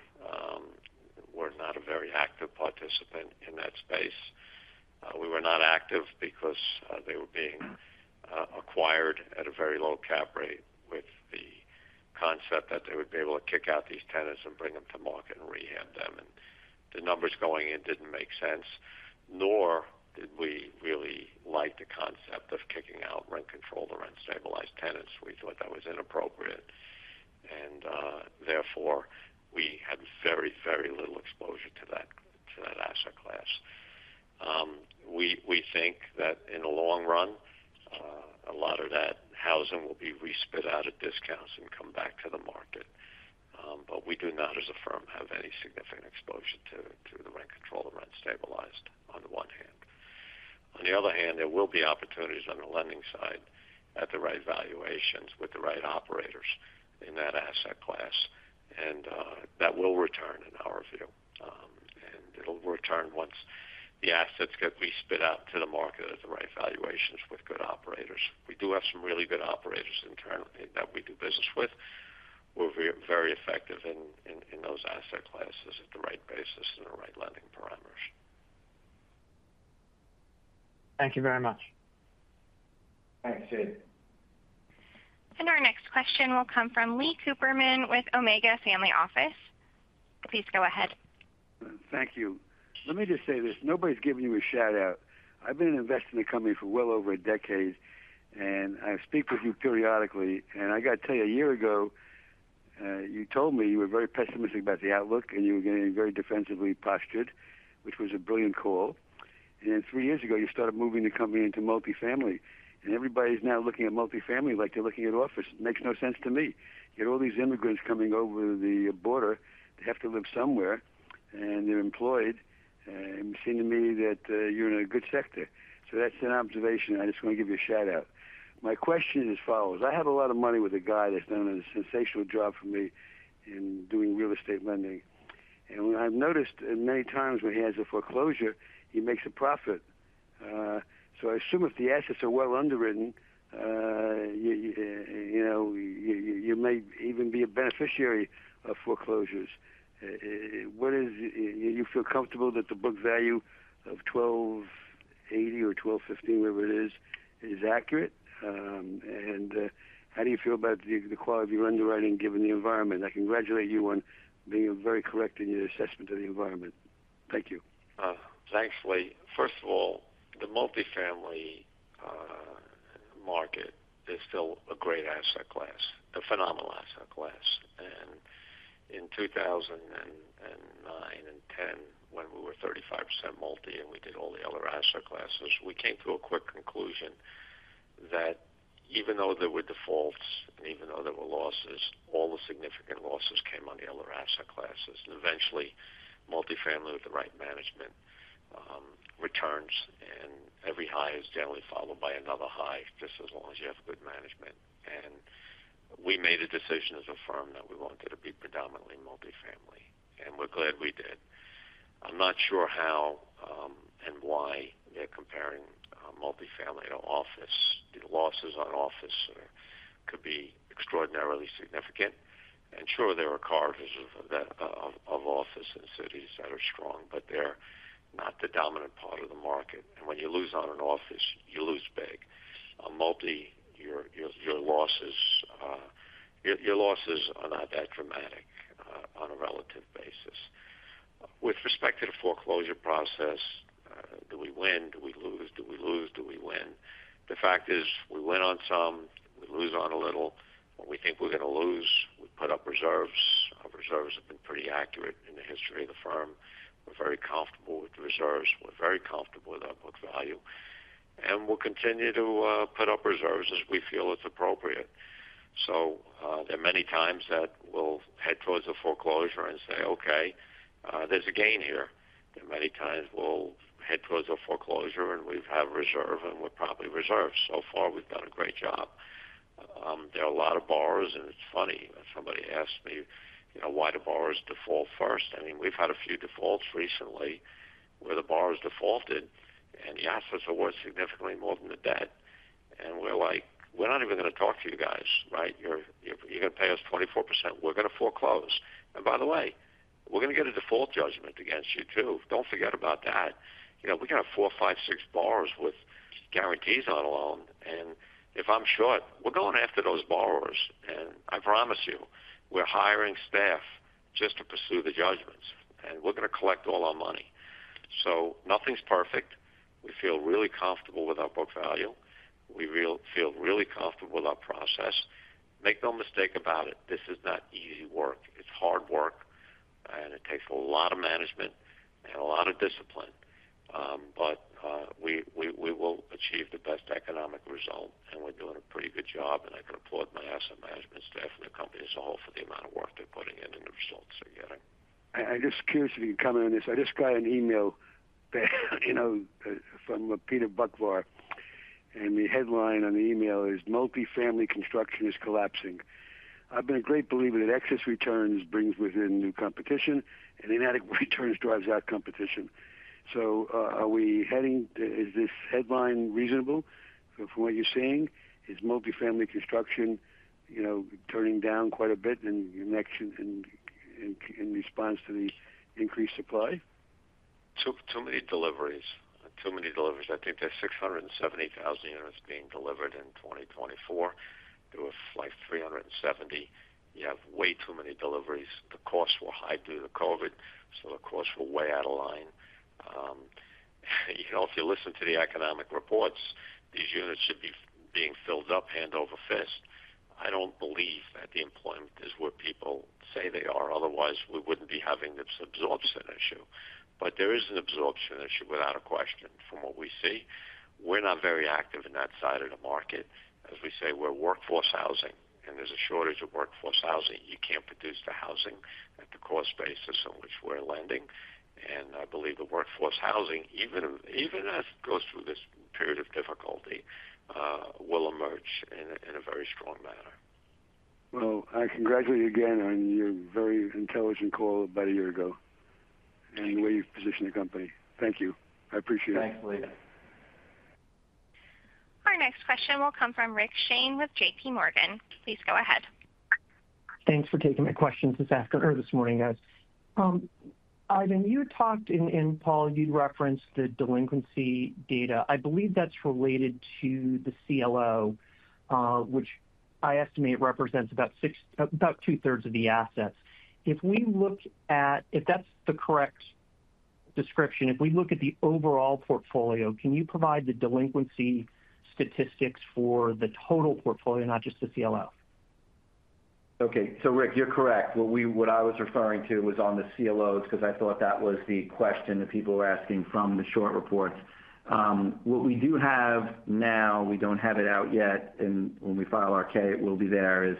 were not a very active participant in that space. We were not active because they were being acquired at a very low cap rate with the concept that they would be able to kick out these tenants and bring them to market and rehab them. The numbers going in didn't make sense. Nor did we really like the concept of kicking out rent-controlled rent-stabilized tenants. We thought that was inappropriate. Therefore, we had very, very little exposure to that asset class. We think that in the long run, a lot of that housing will be spit out at discounts and come back to the market. But we do not, as a firm, have any significant exposure to the rent-controlled rent-stabilized on the one hand. On the other hand, there will be opportunities on the lending side at the right valuations with the right operators in that asset class. That will return in our view. It'll return once the assets get spit out to the market at the right valuations with good operators. We do have some really good operators internally that we do business with. We're very effective in those asset classes at the right basis and the right lending parameters. Thank you very much. Thanks, Jade. Our next question will come from Lee Cooperman with Omega Family Office. Please go ahead. Thank you. Let me just say this. Nobody's given you a shout-out. I've been investing in the company for well over a decade. I speak with you periodically. I got to tell you, a year ago, you told me you were very pessimistic about the outlook and you were getting very defensively postured, which was a brilliant call. Then three years ago, you started moving the company into multifamily. Everybody's now looking at multifamily like they're looking at office. Makes no sense to me. You get all these immigrants coming over the border. They have to live somewhere. They're employed. It seemed to me that you're in a good sector. That's an observation. I just want to give you a shout-out. My question is as follows. I have a lot of money with a guy that's done a sensational job for me in doing real estate lending. I've noticed many times when he has a foreclosure, he makes a profit. I assume if the assets are well underwritten, you may even be a beneficiary of foreclosures. You feel comfortable that the book value of $12.80 or $12.15, whatever it is, is accurate? And how do you feel about the quality of your underwriting given the environment? I congratulate you on being very correct in your assessment of the environment. Thank you. Thanks, Lee. First of all, the multifamily market is still a great asset class, a phenomenal asset class. In 2009 and 2010, when we were 35% multi and we did all the other asset classes, we came to a quick conclusion that even though there were defaults and even though there were losses, all the significant losses came on the other asset classes. Eventually, multifamily with the right management returns. Every high is generally followed by another high just as long as you have good management. We made a decision as a firm that we wanted it to be predominantly multifamily. We're glad we did. I'm not sure how and why they're comparing multifamily to office. The losses on office could be extraordinarily significant. Sure, there are carriers of office in cities that are strong. But they're not the dominant part of the market. When you lose on an office, you lose big. On multi, your losses are not that dramatic on a relative basis. With respect to the foreclosure process, do we win? Do we lose? Do we lose? Do we win? The fact is, we win on some. We lose on a little. When we think we're going to lose, we put up reserves. Reserves have been pretty accurate in the history of the firm. We're very comfortable with the reserves. We're very comfortable with our book value. We'll continue to put up reserves as we feel it's appropriate. There are many times that we'll head towards a foreclosure and say, okay, there's a gain here. There are many times we'll head towards a foreclosure. We have a reserve. We're probably reserved. So far, we've done a great job. There are a lot of borrowers. And it's funny. Somebody asked me why do borrowers default first? I mean, we've had a few defaults recently where the borrowers defaulted. And the assets are worth significantly more than the debt. And we're like, "We're not even going to talk to you guys, right? You're going to pay us 24%. We're going to foreclose. And by the way, we're going to get a default judgment against you too. Don't forget about that. We got four, five, six borrowers with guarantees on a loan. And if I'm short, we're going after those borrowers. And I promise you, we're hiring staff just to pursue the judgments. And we're going to collect all our money. So nothing's perfect. We feel really comfortable with our book value. We feel really comfortable with our process. Make no mistake about it. This is not easy work. It's hard work. It takes a lot of management and a lot of discipline. But we will achieve the best economic result. We're doing a pretty good job. I can applaud my asset management staff and the company as a whole for the amount of work they're putting in and the results they're getting. I'm just curious if you can comment on this. I just got an email from Peter Boockvar. And the headline on the email is, "Multifamily construction is collapsing." I've been a great believer that excess returns brings within new competition. And inadequate returns drive out competition. So are we heading? Is this headline reasonable from what you're seeing? Is multifamily construction turning down quite a bit in response to the increased supply? Too many deliveries. Too many deliveries. I think there's 670,000 units being delivered in 2024. There were like 370. You have way too many deliveries. The costs were high due to COVID. So the costs were way out of line. If you listen to the economic reports, these units should be being filled up hand over fist. I don't believe that the employment is where people say they are. Otherwise, we wouldn't be having this absorption issue. But there is an absorption issue without a question from what we see. We're not very active in that side of the market. As we say, we're workforce housing. And there's a shortage of workforce housing. You can't produce the housing at the cost basis on which we're lending. And I believe the workforce housing, even as it goes through this period of difficulty, will emerge in a very strong manner. Well, I congratulate you again on your very intelligent call about a year ago and the way you've positioned the company. Thank you. I appreciate it. Thanks, Lee. Our next question will come from Rick Shane with JPMorgan. Please go ahead. Thanks for taking my questions this afternoon or this morning, guys. Ivan, you and Paul, you'd referenced the delinquency data. I believe that's related to the CLO, which I estimate represents about 2/3 of the assets. If that's the correct description, if we look at the overall portfolio, can you provide the delinquency statistics for the total portfolio, not just the CLO? Okay. So Rick, you're correct. What I was referring to was on the CLOs because I thought that was the question that people were asking from the short reports. What we do have now, we don't have it out yet. And when we file our Form 10-K, it will be there, is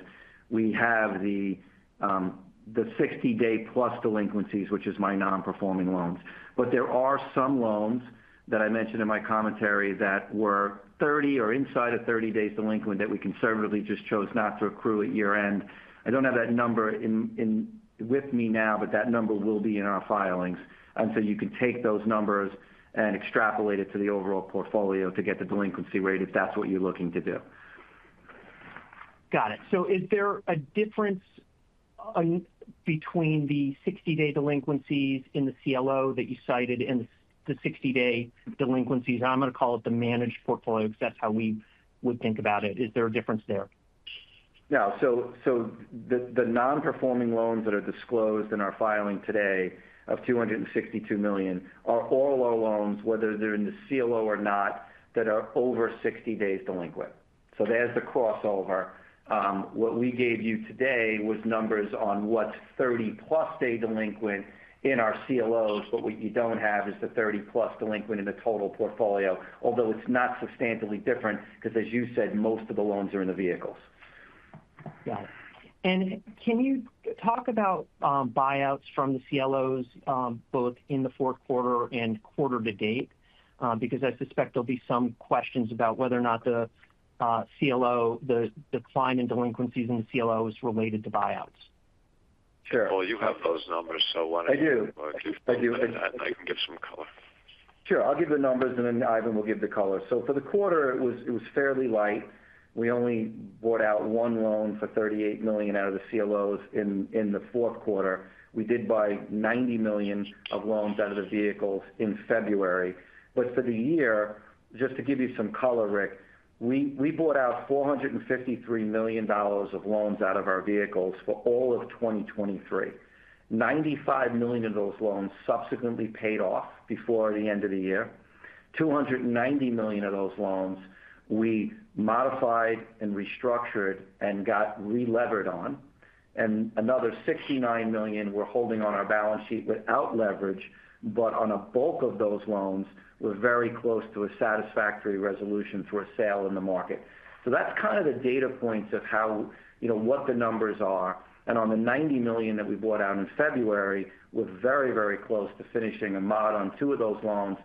we have the 60+ day delinquencies, which is my non-performing loans. But there are some loans that I mentioned in my commentary that were 30 or inside of 30 days delinquent that we conservatively just chose not to accrue at year-end. I don't have that number with me now. But that number will be in our filings. And so you can take those numbers and extrapolate it to the overall portfolio to get the delinquency rate if that's what you're looking to do. Got it. So is there a difference between the 60-day delinquencies in the CLO that you cited and the 60-day delinquencies? I'm going to call it the managed portfolio because that's how we would think about it. Is there a difference there? No. So the non-performing loans that are disclosed in our filing today of $262 million are all our loans, whether they're in the CLO or not, that are over 60 days delinquent. So there's the crossover. What we gave you today was numbers on what's 30+ day delinquent in our CLOs. But what you don't have is the 30+ day delinquent in the total portfolio, although it's not substantially different because, as you said, most of the loans are in the vehicles. Got it. Can you talk about buyouts from the CLOs both in the fourth quarter and quarter to date? Because I suspect there'll be some questions about whether or not the decline in delinquencies in the CLO is related to buyouts. Sure. Paul, you have those numbers. So why don't you? I do. I do. I can give some color. Sure. I'll give the numbers. And then Ivan, we'll give the color. So for the quarter, it was fairly light. We only bought out one loan for $38 million out of the CLOs in the fourth quarter. We did buy $90 million of loans out of the vehicles in February. But for the year, just to give you some color, Rick, we bought out $453 million of loans out of our vehicles for all of 2023. $95 million of those loans subsequently paid off before the end of the year. $290 million of those loans, we modified and restructured and got re-levered on. And another $69 million, we're holding on our balance sheet without leverage. But on a bulk of those loans, we're very close to a satisfactory resolution through a sale in the market. So that's kind of the data points of what the numbers are. On the $90 million that we bought out in February, we're very, very close to finishing a mod on two of those loans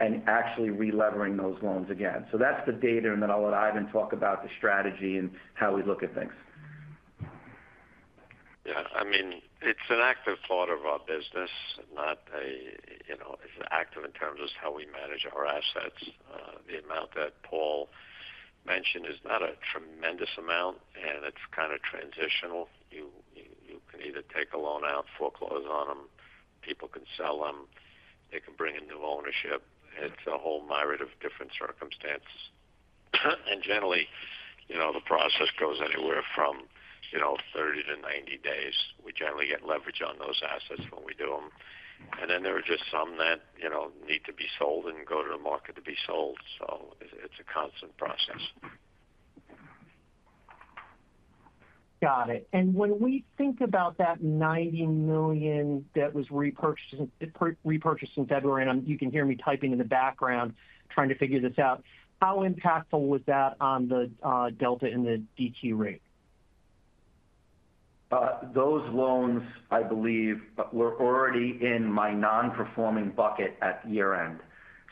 and actually re-levering those loans again. That's the data. Then I'll let Ivan talk about the strategy and how we look at things. Yeah. I mean, it's an active part of our business, it's active in terms of how we manage our assets. The amount that Paul mentioned is not a tremendous amount. It's kind of transitional. You can either take a loan out, foreclose on them. People can sell them. They can bring in new ownership. It's a whole myriad of different circumstances. Generally, the process goes anywhere from 30 to 90 days. We generally get leverage on those assets when we do them. Then there are just some that need to be sold and go to the market to be sold. So it's a constant process. Got it. And when we think about that $90 million that was repurchased in February and you can hear me typing in the background trying to figure this out, how impactful was that on the delta in the DQ rate? Those loans, I believe, were already in my non-performing bucket at year-end.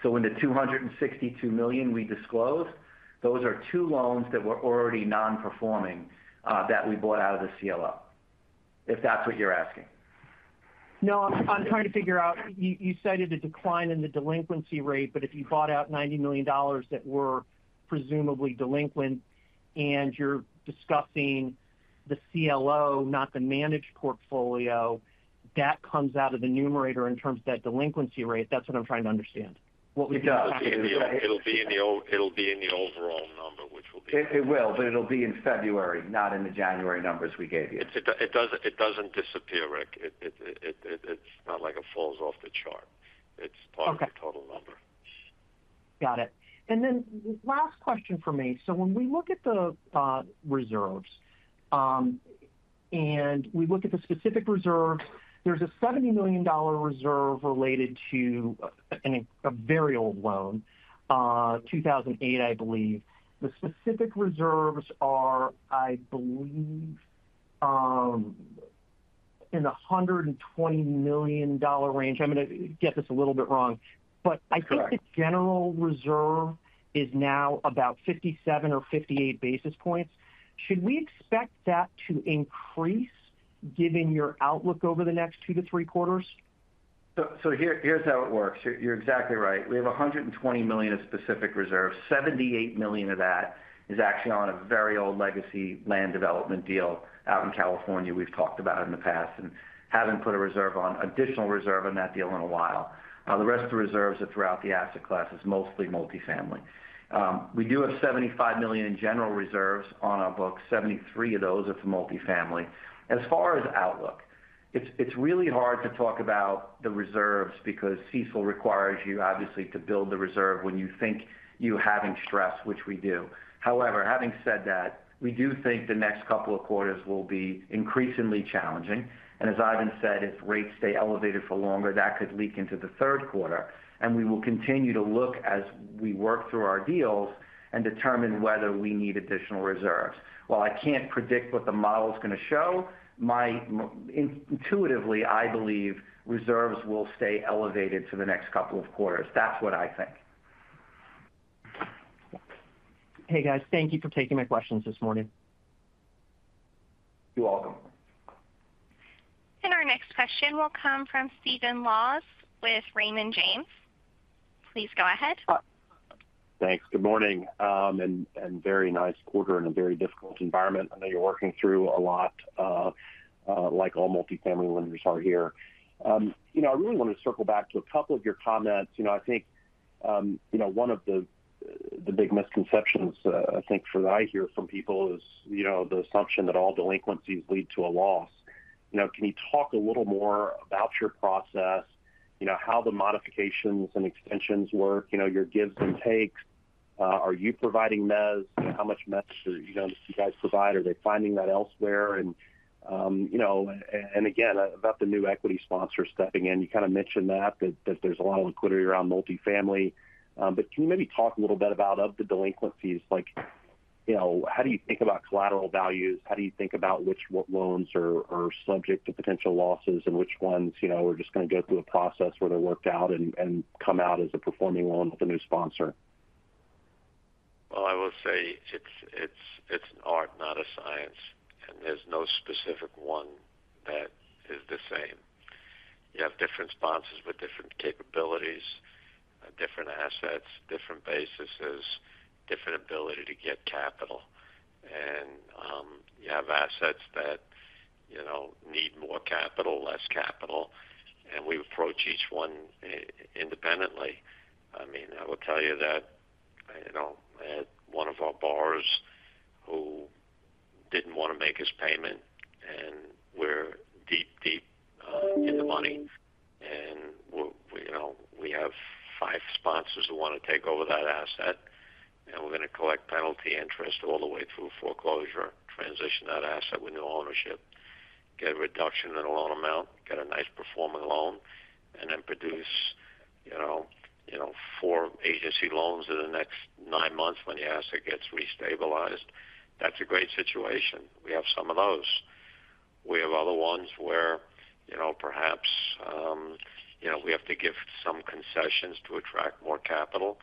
So in the $262 million we disclosed, those are two loans that were already non-performing that we bought out of the CLO, if that's what you're asking. No. I'm trying to figure out you cited a decline in the delinquency rate. But if you bought out $90 million that were presumably delinquent and you're discussing the CLO, not the managed portfolio, that comes out of the numerator in terms of that delinquency rate. That's what I'm trying to understand. What would you expect to see? It'll be in the overall number, which will be. It will. But it'll be in February, not in the January numbers we gave you. It doesn't disappear, Rick. It's not like it falls off the chart. It's part of the total number. Got it. And then last question for me. So when we look at the reserves and we look at the specific reserves, there's a $70 million reserve related to a very old loan, 2008, I believe. The specific reserves are, I believe, in the $120 million range. I'm going to get this a little bit wrong. But I think the general reserve is now about 57 or 58 basis points. Should we expect that to increase given your outlook over the next two to three quarters? So here's how it works. You're exactly right. We have $120 million of specific reserves. $78 million of that is actually on a very old legacy land development deal out in California we've talked about in the past and haven't put an additional reserve on that deal in a while. The rest of the reserves are throughout the asset class is mostly multifamily. We do have $75 million in general reserves on our books. $73 million of those are for multifamily. As far as outlook, it's really hard to talk about the reserves because CECL requires you, obviously, to build the reserve when you think you're having stress, which we do. However, having said that, we do think the next couple of quarters will be increasingly challenging. And as Ivan said, if rates stay elevated for longer, that could leak into the third quarter. We will continue to look as we work through our deals and determine whether we need additional reserves. While I can't predict what the model's going to show, intuitively, I believe reserves will stay elevated through the next couple of quarters. That's what I think. Hey, guys. Thank you for taking my questions this morning. You're welcome. Our next question will come from Stephen Laws with Raymond James. Please go ahead. Thanks. Good morning. Very nice quarter in a very difficult environment. I know you're working through a lot, like all multifamily lenders are here. I really want to circle back to a couple of your comments. I think one of the big misconceptions, I think, that I hear from people is the assumption that all delinquencies lead to a loss. Can you talk a little more about your process, how the modifications and extensions work, your gives and takes? Are you providing mez? How much mez do you guys provide? Are they finding that elsewhere? And again, about the new equity sponsor stepping in, you kind of mentioned that, that there's a lot of liquidity around multifamily. But can you maybe talk a little bit about, of the delinquencies, how do you think about collateral values? How do you think about which loans are subject to potential losses and which ones are just going to go through a process where they're worked out and come out as a performing loan with a new sponsor? Well, I will say it's an art, not a science. And there's no specific one that is the same. You have different sponsors with different capabilities, different assets, different bases, different ability to get capital. And you have assets that need more capital, less capital. And we approach each one independently. I mean, I will tell you that at one of our borrowers who didn't want to make his payment. And we're deep, deep in the money. And we have five sponsors who want to take over that asset. And we're going to collect penalty interest all the way through foreclosure, transition that asset with new ownership, get a reduction in the loan amount, get a nice performing loan, and then produce four agency loans in the next nine months when the asset gets restabilized. That's a great situation. We have some of those. We have other ones where perhaps we have to give some concessions to attract more capital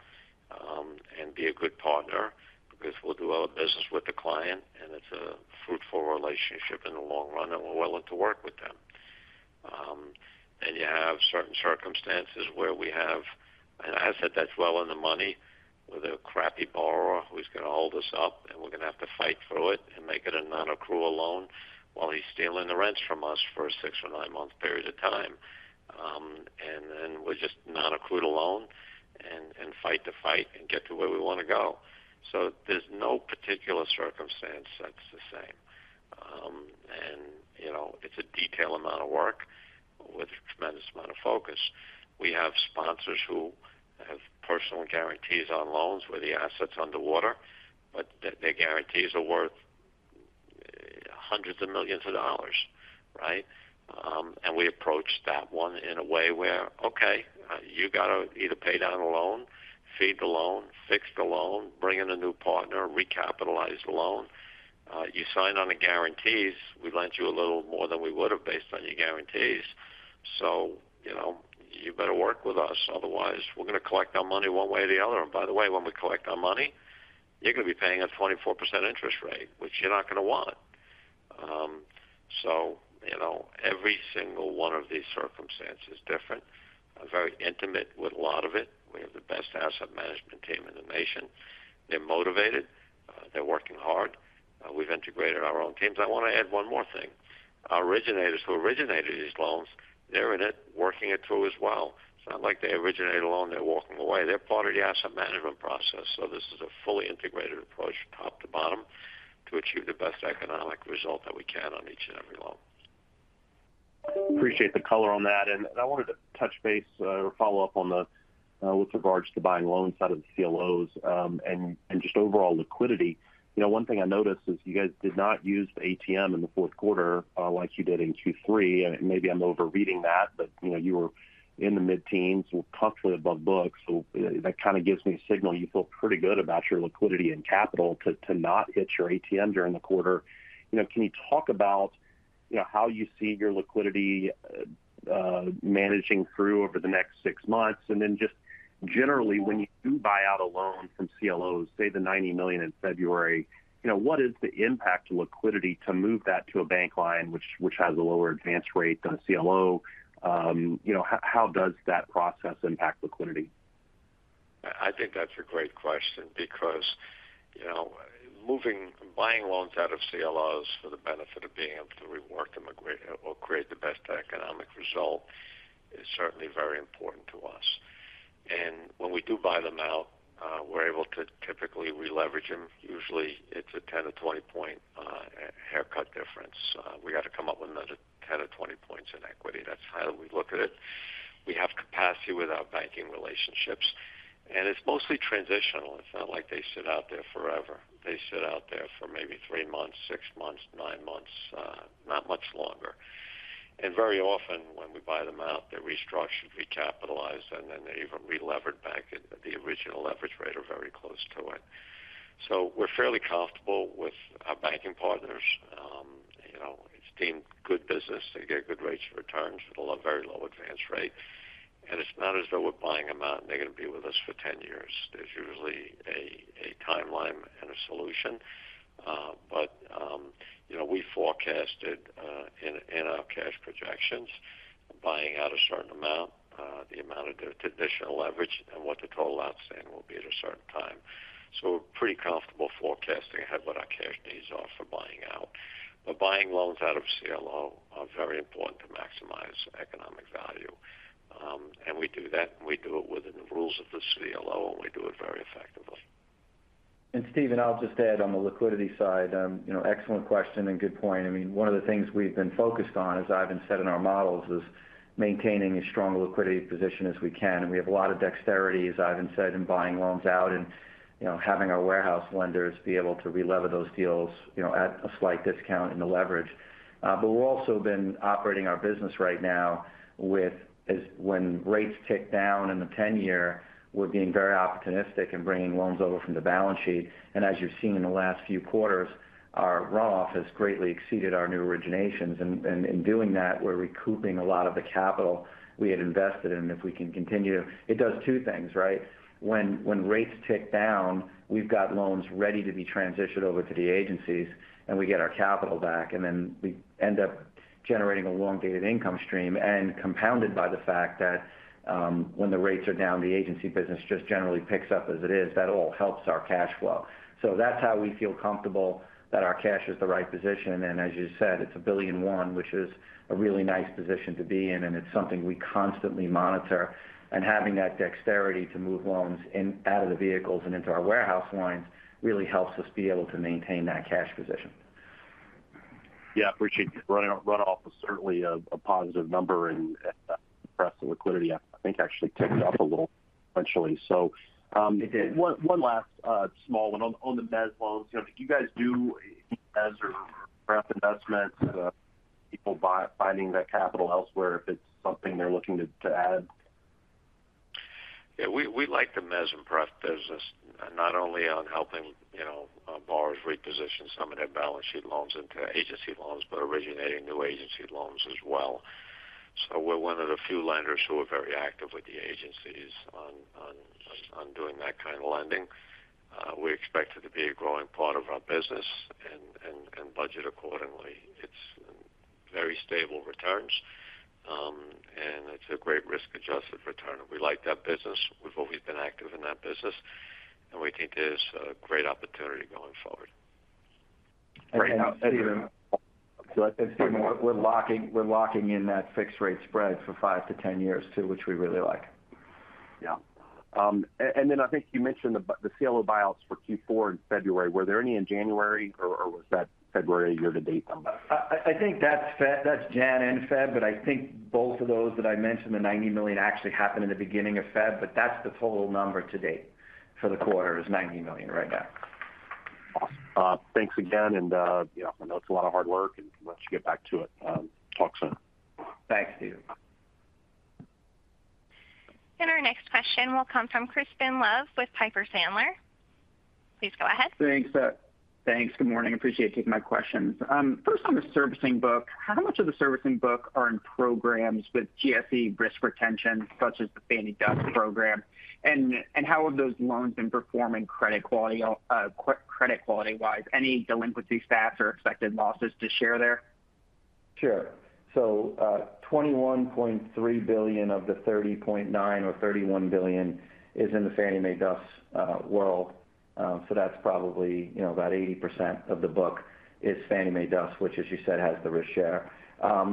and be a good partner because we'll do our business with the client. And it's a fruitful relationship in the long run. And we're willing to work with them. And you have certain circumstances where we have an asset that's well in the money with a crappy borrower who's going to hold us up. And we're going to have to fight through it and make it a non-accrual loan while he's stealing the rents from us for a six or nine-month period of time. And then we're just non-accrual loan and fight the fight and get to where we want to go. So there's no particular circumstance that's the same. And it's a detailed amount of work with a tremendous amount of focus. We have sponsors who have personal guarantees on loans where the asset's underwater. But their guarantees are worth hundreds of millions of dollars, right? And we approach that one in a way where, okay. You got to either pay down the loan, feed the loan, fix the loan, bring in a new partner, recapitalize the loan. You sign on to guarantees. We lent you a little more than we would have based on your guarantees. So you better work with us. Otherwise, we're going to collect our money one way or the other. And by the way, when we collect our money, you're going to be paying a 24% interest rate, which you're not going to want." So every single one of these circumstances is different. I'm very intimate with a lot of it. We have the best asset management team in the nation. They're motivated. They're working hard. We've integrated our own teams. I want to add one more thing. Our originators who originated these loans, they're in it, working it through as well. It's not like they originated a loan. They're walking away. They're part of the asset management process. So this is a fully integrated approach top to bottom to achieve the best economic result that we can on each and every loan. Appreciate the color on that. I wanted to touch base or follow up with regards to the buying loan side of the CLOs and just overall liquidity. One thing I noticed is you guys did not use the ATM in the fourth quarter like you did in Q3. Maybe I'm overreading that. But you were in the mid-teens, comfortably above books. So that kind of gives me a signal you feel pretty good about your liquidity and capital to not hit your ATM during the quarter. Can you talk about how you see your liquidity managing through over the next six months? And then just generally, when you do buy out a loan from CLOs, say the $90 million in February, what is the impact to liquidity to move that to a bank line, which has a lower advance rate than a CLO? How does that process impact liquidity? I think that's a great question because buying loans out of CLOs for the benefit of being able to rework them or create the best economic result is certainly very important to us. When we do buy them out, we're able to typically re-leverage them. Usually, it's a 10-20-point haircut difference. We got to come up with another 10 or 20 points in equity. That's how we look at it. We have capacity with our banking relationships. It's mostly transitional. It's not like they sit out there forever. They sit out there for maybe three months, six months, nine months, not much longer. Very often, when we buy them out, they're restructured, recapitalized. Then they're even re-leveraged back at the original leverage rate or very close to it. We're fairly comfortable with our banking partners. It's deemed good business. They get a good rate of returns with a very low advance rate. It's not as though we're buying them out and they're going to be with us for 10 years. There's usually a timeline and a solution. We forecasted in our cash projections buying out a certain amount, the amount of their traditional leverage, and what the total outstanding will be at a certain time. We're pretty comfortable forecasting ahead what our cash needs are for buying out. Buying loans out of a CLO are very important to maximize economic value. We do that. We do it within the rules of the CLO. We do it very effectively. And Stephen, I'll just add on the liquidity side. Excellent question and good point. I mean, one of the things we've been focused on, as Ivan said in our models, is maintaining a strong liquidity position as we can. And we have a lot of dexterity, as Ivan said, in buying loans out and having our warehouse lenders be able to re-leverage those deals at a slight discount in the leverage. But we've also been operating our business right now with, when rates tick down in the 10-year, we're being very opportunistic in bringing loans over from the balance sheet. And as you've seen in the last few quarters, our runoff has greatly exceeded our new originations. And in doing that, we're recouping a lot of the capital we had invested in. And if we can continue to it does two things, right? When rates tick down, we've got loans ready to be transitioned over to the agencies. We get our capital back. Then we end up generating a long-dated income stream. Compounded by the fact that when the rates are down, the agency business just generally picks up as it is. That all helps our cash flow. That's how we feel comfortable that our cash is the right position. As you said, it's $1.1 billion, which is a really nice position to be in. It's something we constantly monitor. Having that dexterity to move loans out of the vehicles and into our warehouse lines really helps us be able to maintain that cash position. Yeah. I appreciate the runoff. It's certainly a positive number. The excess of liquidity, I think, actually ticked up a little potentially. One last small one on the mez loans. Do you guys do mez or pref investments, people finding that capital elsewhere if it's something they're looking to add? Yeah. We like the mez and pref business, not only on helping borrowers reposition some of their balance sheet loans into agency loans but originating new agency loans as well. So we're one of the few lenders who are very active with the agencies on doing that kind of lending. We expect it to be a growing part of our business and budget accordingly. It's very stable returns. And it's a great risk-adjusted return. And we like that business. We've always been active in that business. And we think there's a great opportunity going forward. Stephen, we're locking in that fixed-rate spread for 5-10 years too, which we really like. Yeah. And then I think you mentioned the CLO buyouts for Q4 in February. Were there any in January? Or was that February year-to-date number? I think that's January and February. But I think both of those that I mentioned, the $90 million, actually happened in the beginning of February. But that's the total number to date for the quarter is $90 million right now. Awesome. Thanks again. I know it's a lot of hard work. We'll let you get back to it. Talk soon. Thanks, Stephen. Our next question will come from Crispin Love with Piper Sandler. Please go ahead. Thanks. Thanks. Good morning. Appreciate you taking my questions. First on the servicing book, how much of the servicing book are in programs with GSE risk retention such as the Fannie DUS program? And how have those loans been performing credit quality-wise? Any delinquency stats or expected losses to share there? Sure. So $21.3 billion of the $30.9 billion or $31 billion is in the Fannie Mae DUS world. So that's probably about 80% of the book is Fannie Mae DUS, which, as you said, has the risk share.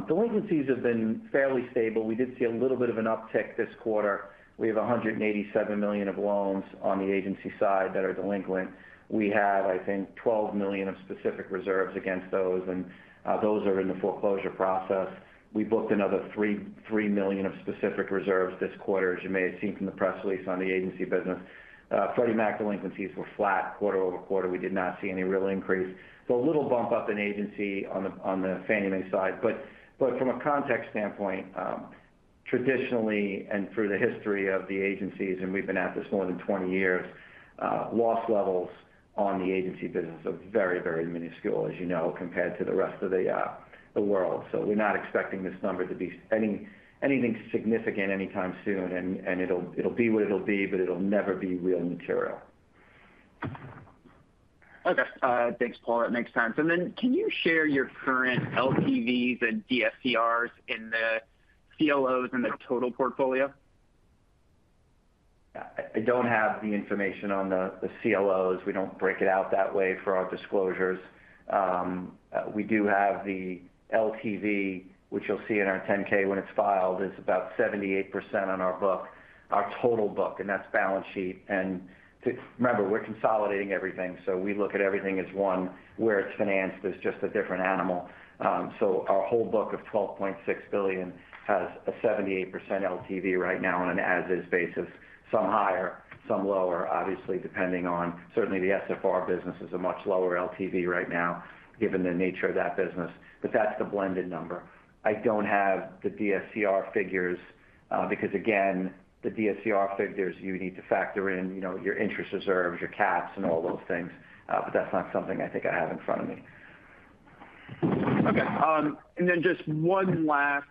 Delinquencies have been fairly stable. We did see a little bit of an uptick this quarter. We have $187 million of loans on the agency side that are delinquent. We have, I think, $12 million of specific reserves against those. And those are in the foreclosure process. We booked another $3 million of specific reserves this quarter, as you may have seen from the press release on the agency business. Freddie Mac delinquencies were flat quarter-over-quarter. We did not see any real increase. So a little bump up in agency on the Fannie Mae side. From a context standpoint, traditionally and through the history of the agencies - and we've been at this more than 20 years - loss levels on the agency business are very, very minuscule, as you know, compared to the rest of the world. We're not expecting this number to be anything significant anytime soon. It'll be what it'll be. It'll never be real material. Okay. Thanks, Paul. That makes sense. And then can you share your current LTVs and DSCRs in the CLOs and the total portfolio? I don't have the information on the CLOs. We don't break it out that way for our disclosures. We do have the LTV, which you'll see in our Form 10-K when it's filed, is about 78% on our total. And that's balance sheet. And remember, we're consolidating everything. So we look at everything as one. Where it's financed, it's just a different animal. So our whole book of $12.6 billion has a 78% LTV right now on an as-is basis, some higher, some lower, obviously, depending on certainly, the SFR business is a much lower LTV right now given the nature of that business. But that's the blended number. I don't have the DSCR figures because, again, the DSCR figures, you need to factor in your interest reserves, your caps, and all those things. But that's not something I think I have in front of me. Okay. And then just one last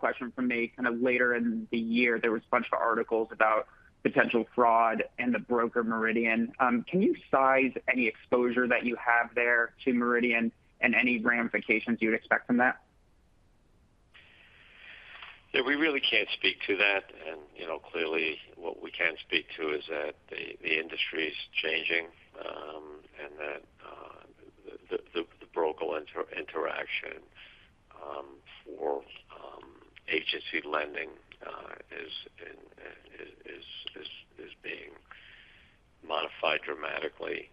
question from me. Kind of later in the year, there was a bunch of articles about potential fraud and the broker Meridian. Can you size any exposure that you have there to Meridian and any ramifications you would expect from that? Yeah. We really can't speak to that. Clearly, what we can speak to is that the industry's changing and that the broker interaction for agency lending is being modified dramatically.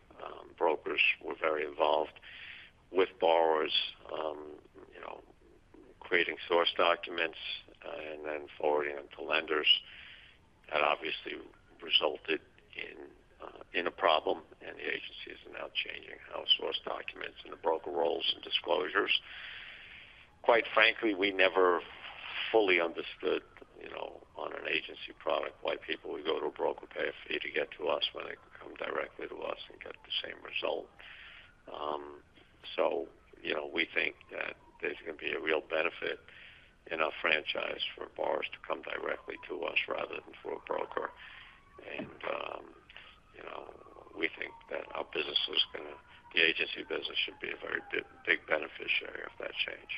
Brokers were very involved with borrowers creating source documents and then forwarding them to lenders. That obviously resulted in a problem. The agency is now changing how source documents and the broker roles and disclosures. Quite frankly, we never fully understood on an agency product why people would go to a broker, pay a fee to get to us, when they could come directly to us and get the same result. So we think that there's going to be a real benefit in our franchise for borrowers to come directly to us rather than through a broker. We think that our business is going to the agency business should be a very big beneficiary of that change.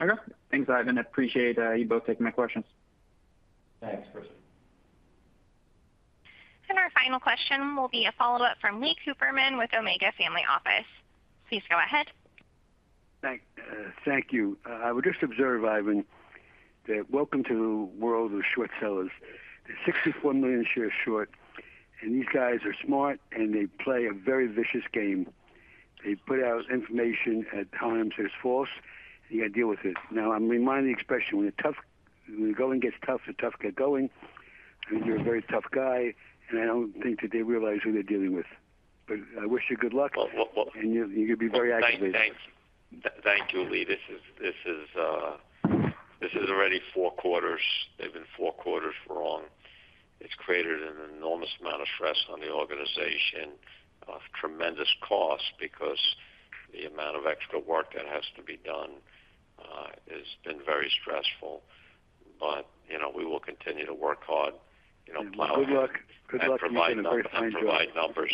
Okay. Thanks, Ivan. I appreciate you both taking my questions. Thanks, Chris. Our final question will be a follow-up from Lee Cooperman with Omega Family Office. Please go ahead. Thank you. I would just observe, Ivan, that welcome to the world of short sellers. They're 64 million shares short. And these guys are smart. And they play a very vicious game. They put out information at times that's false. And you got to deal with it. Now, I'm reminding the expression, "When the going gets tough, the tough get going." I mean, you're a very tough guy. And I don't think that they realize who they're dealing with. But I wish you good luck. And you're going to be very active. Thank you, Lee. This is already four quarters. They've been four quarters wrong. It's created an enormous amount of stress on the organization, tremendous costs because the amount of extra work that has to be done has been very stressful. But we will continue to work hard, plow the road, and provide numbers. Good luck. I'm going to provide numbers.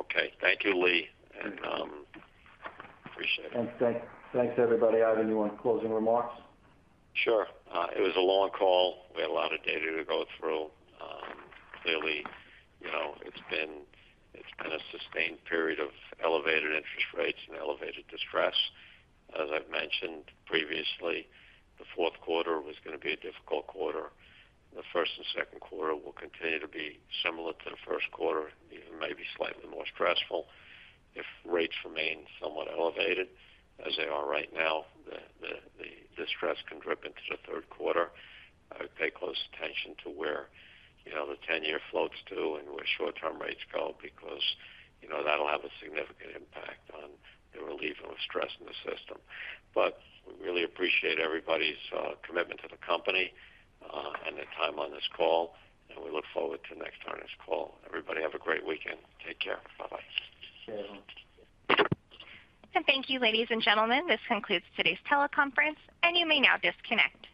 Okay. Thank you, Lee. And appreciate it. Thanks, everybody. Ivan, you want closing remarks? Sure. It was a long call. We had a lot of data to go through. Clearly, it's been a sustained period of elevated interest rates and elevated distress. As I've mentioned previously, the fourth quarter was going to be a difficult quarter. The first and second quarter will continue to be similar to the first quarter, even maybe slightly more stressful. If rates remain somewhat elevated as they are right now, the distress can drip into the third quarter. I would pay close attention to where the 10-year floats to and where short-term rates go because that'll have a significant impact on the relieving of stress in the system. But we really appreciate everybody's commitment to the company and their time on this call. And we look forward to next time this call. Everybody, have a great weekend. Take care. Bye-bye. Thank you, ladies and gentlemen. This concludes today's teleconference. You may now disconnect.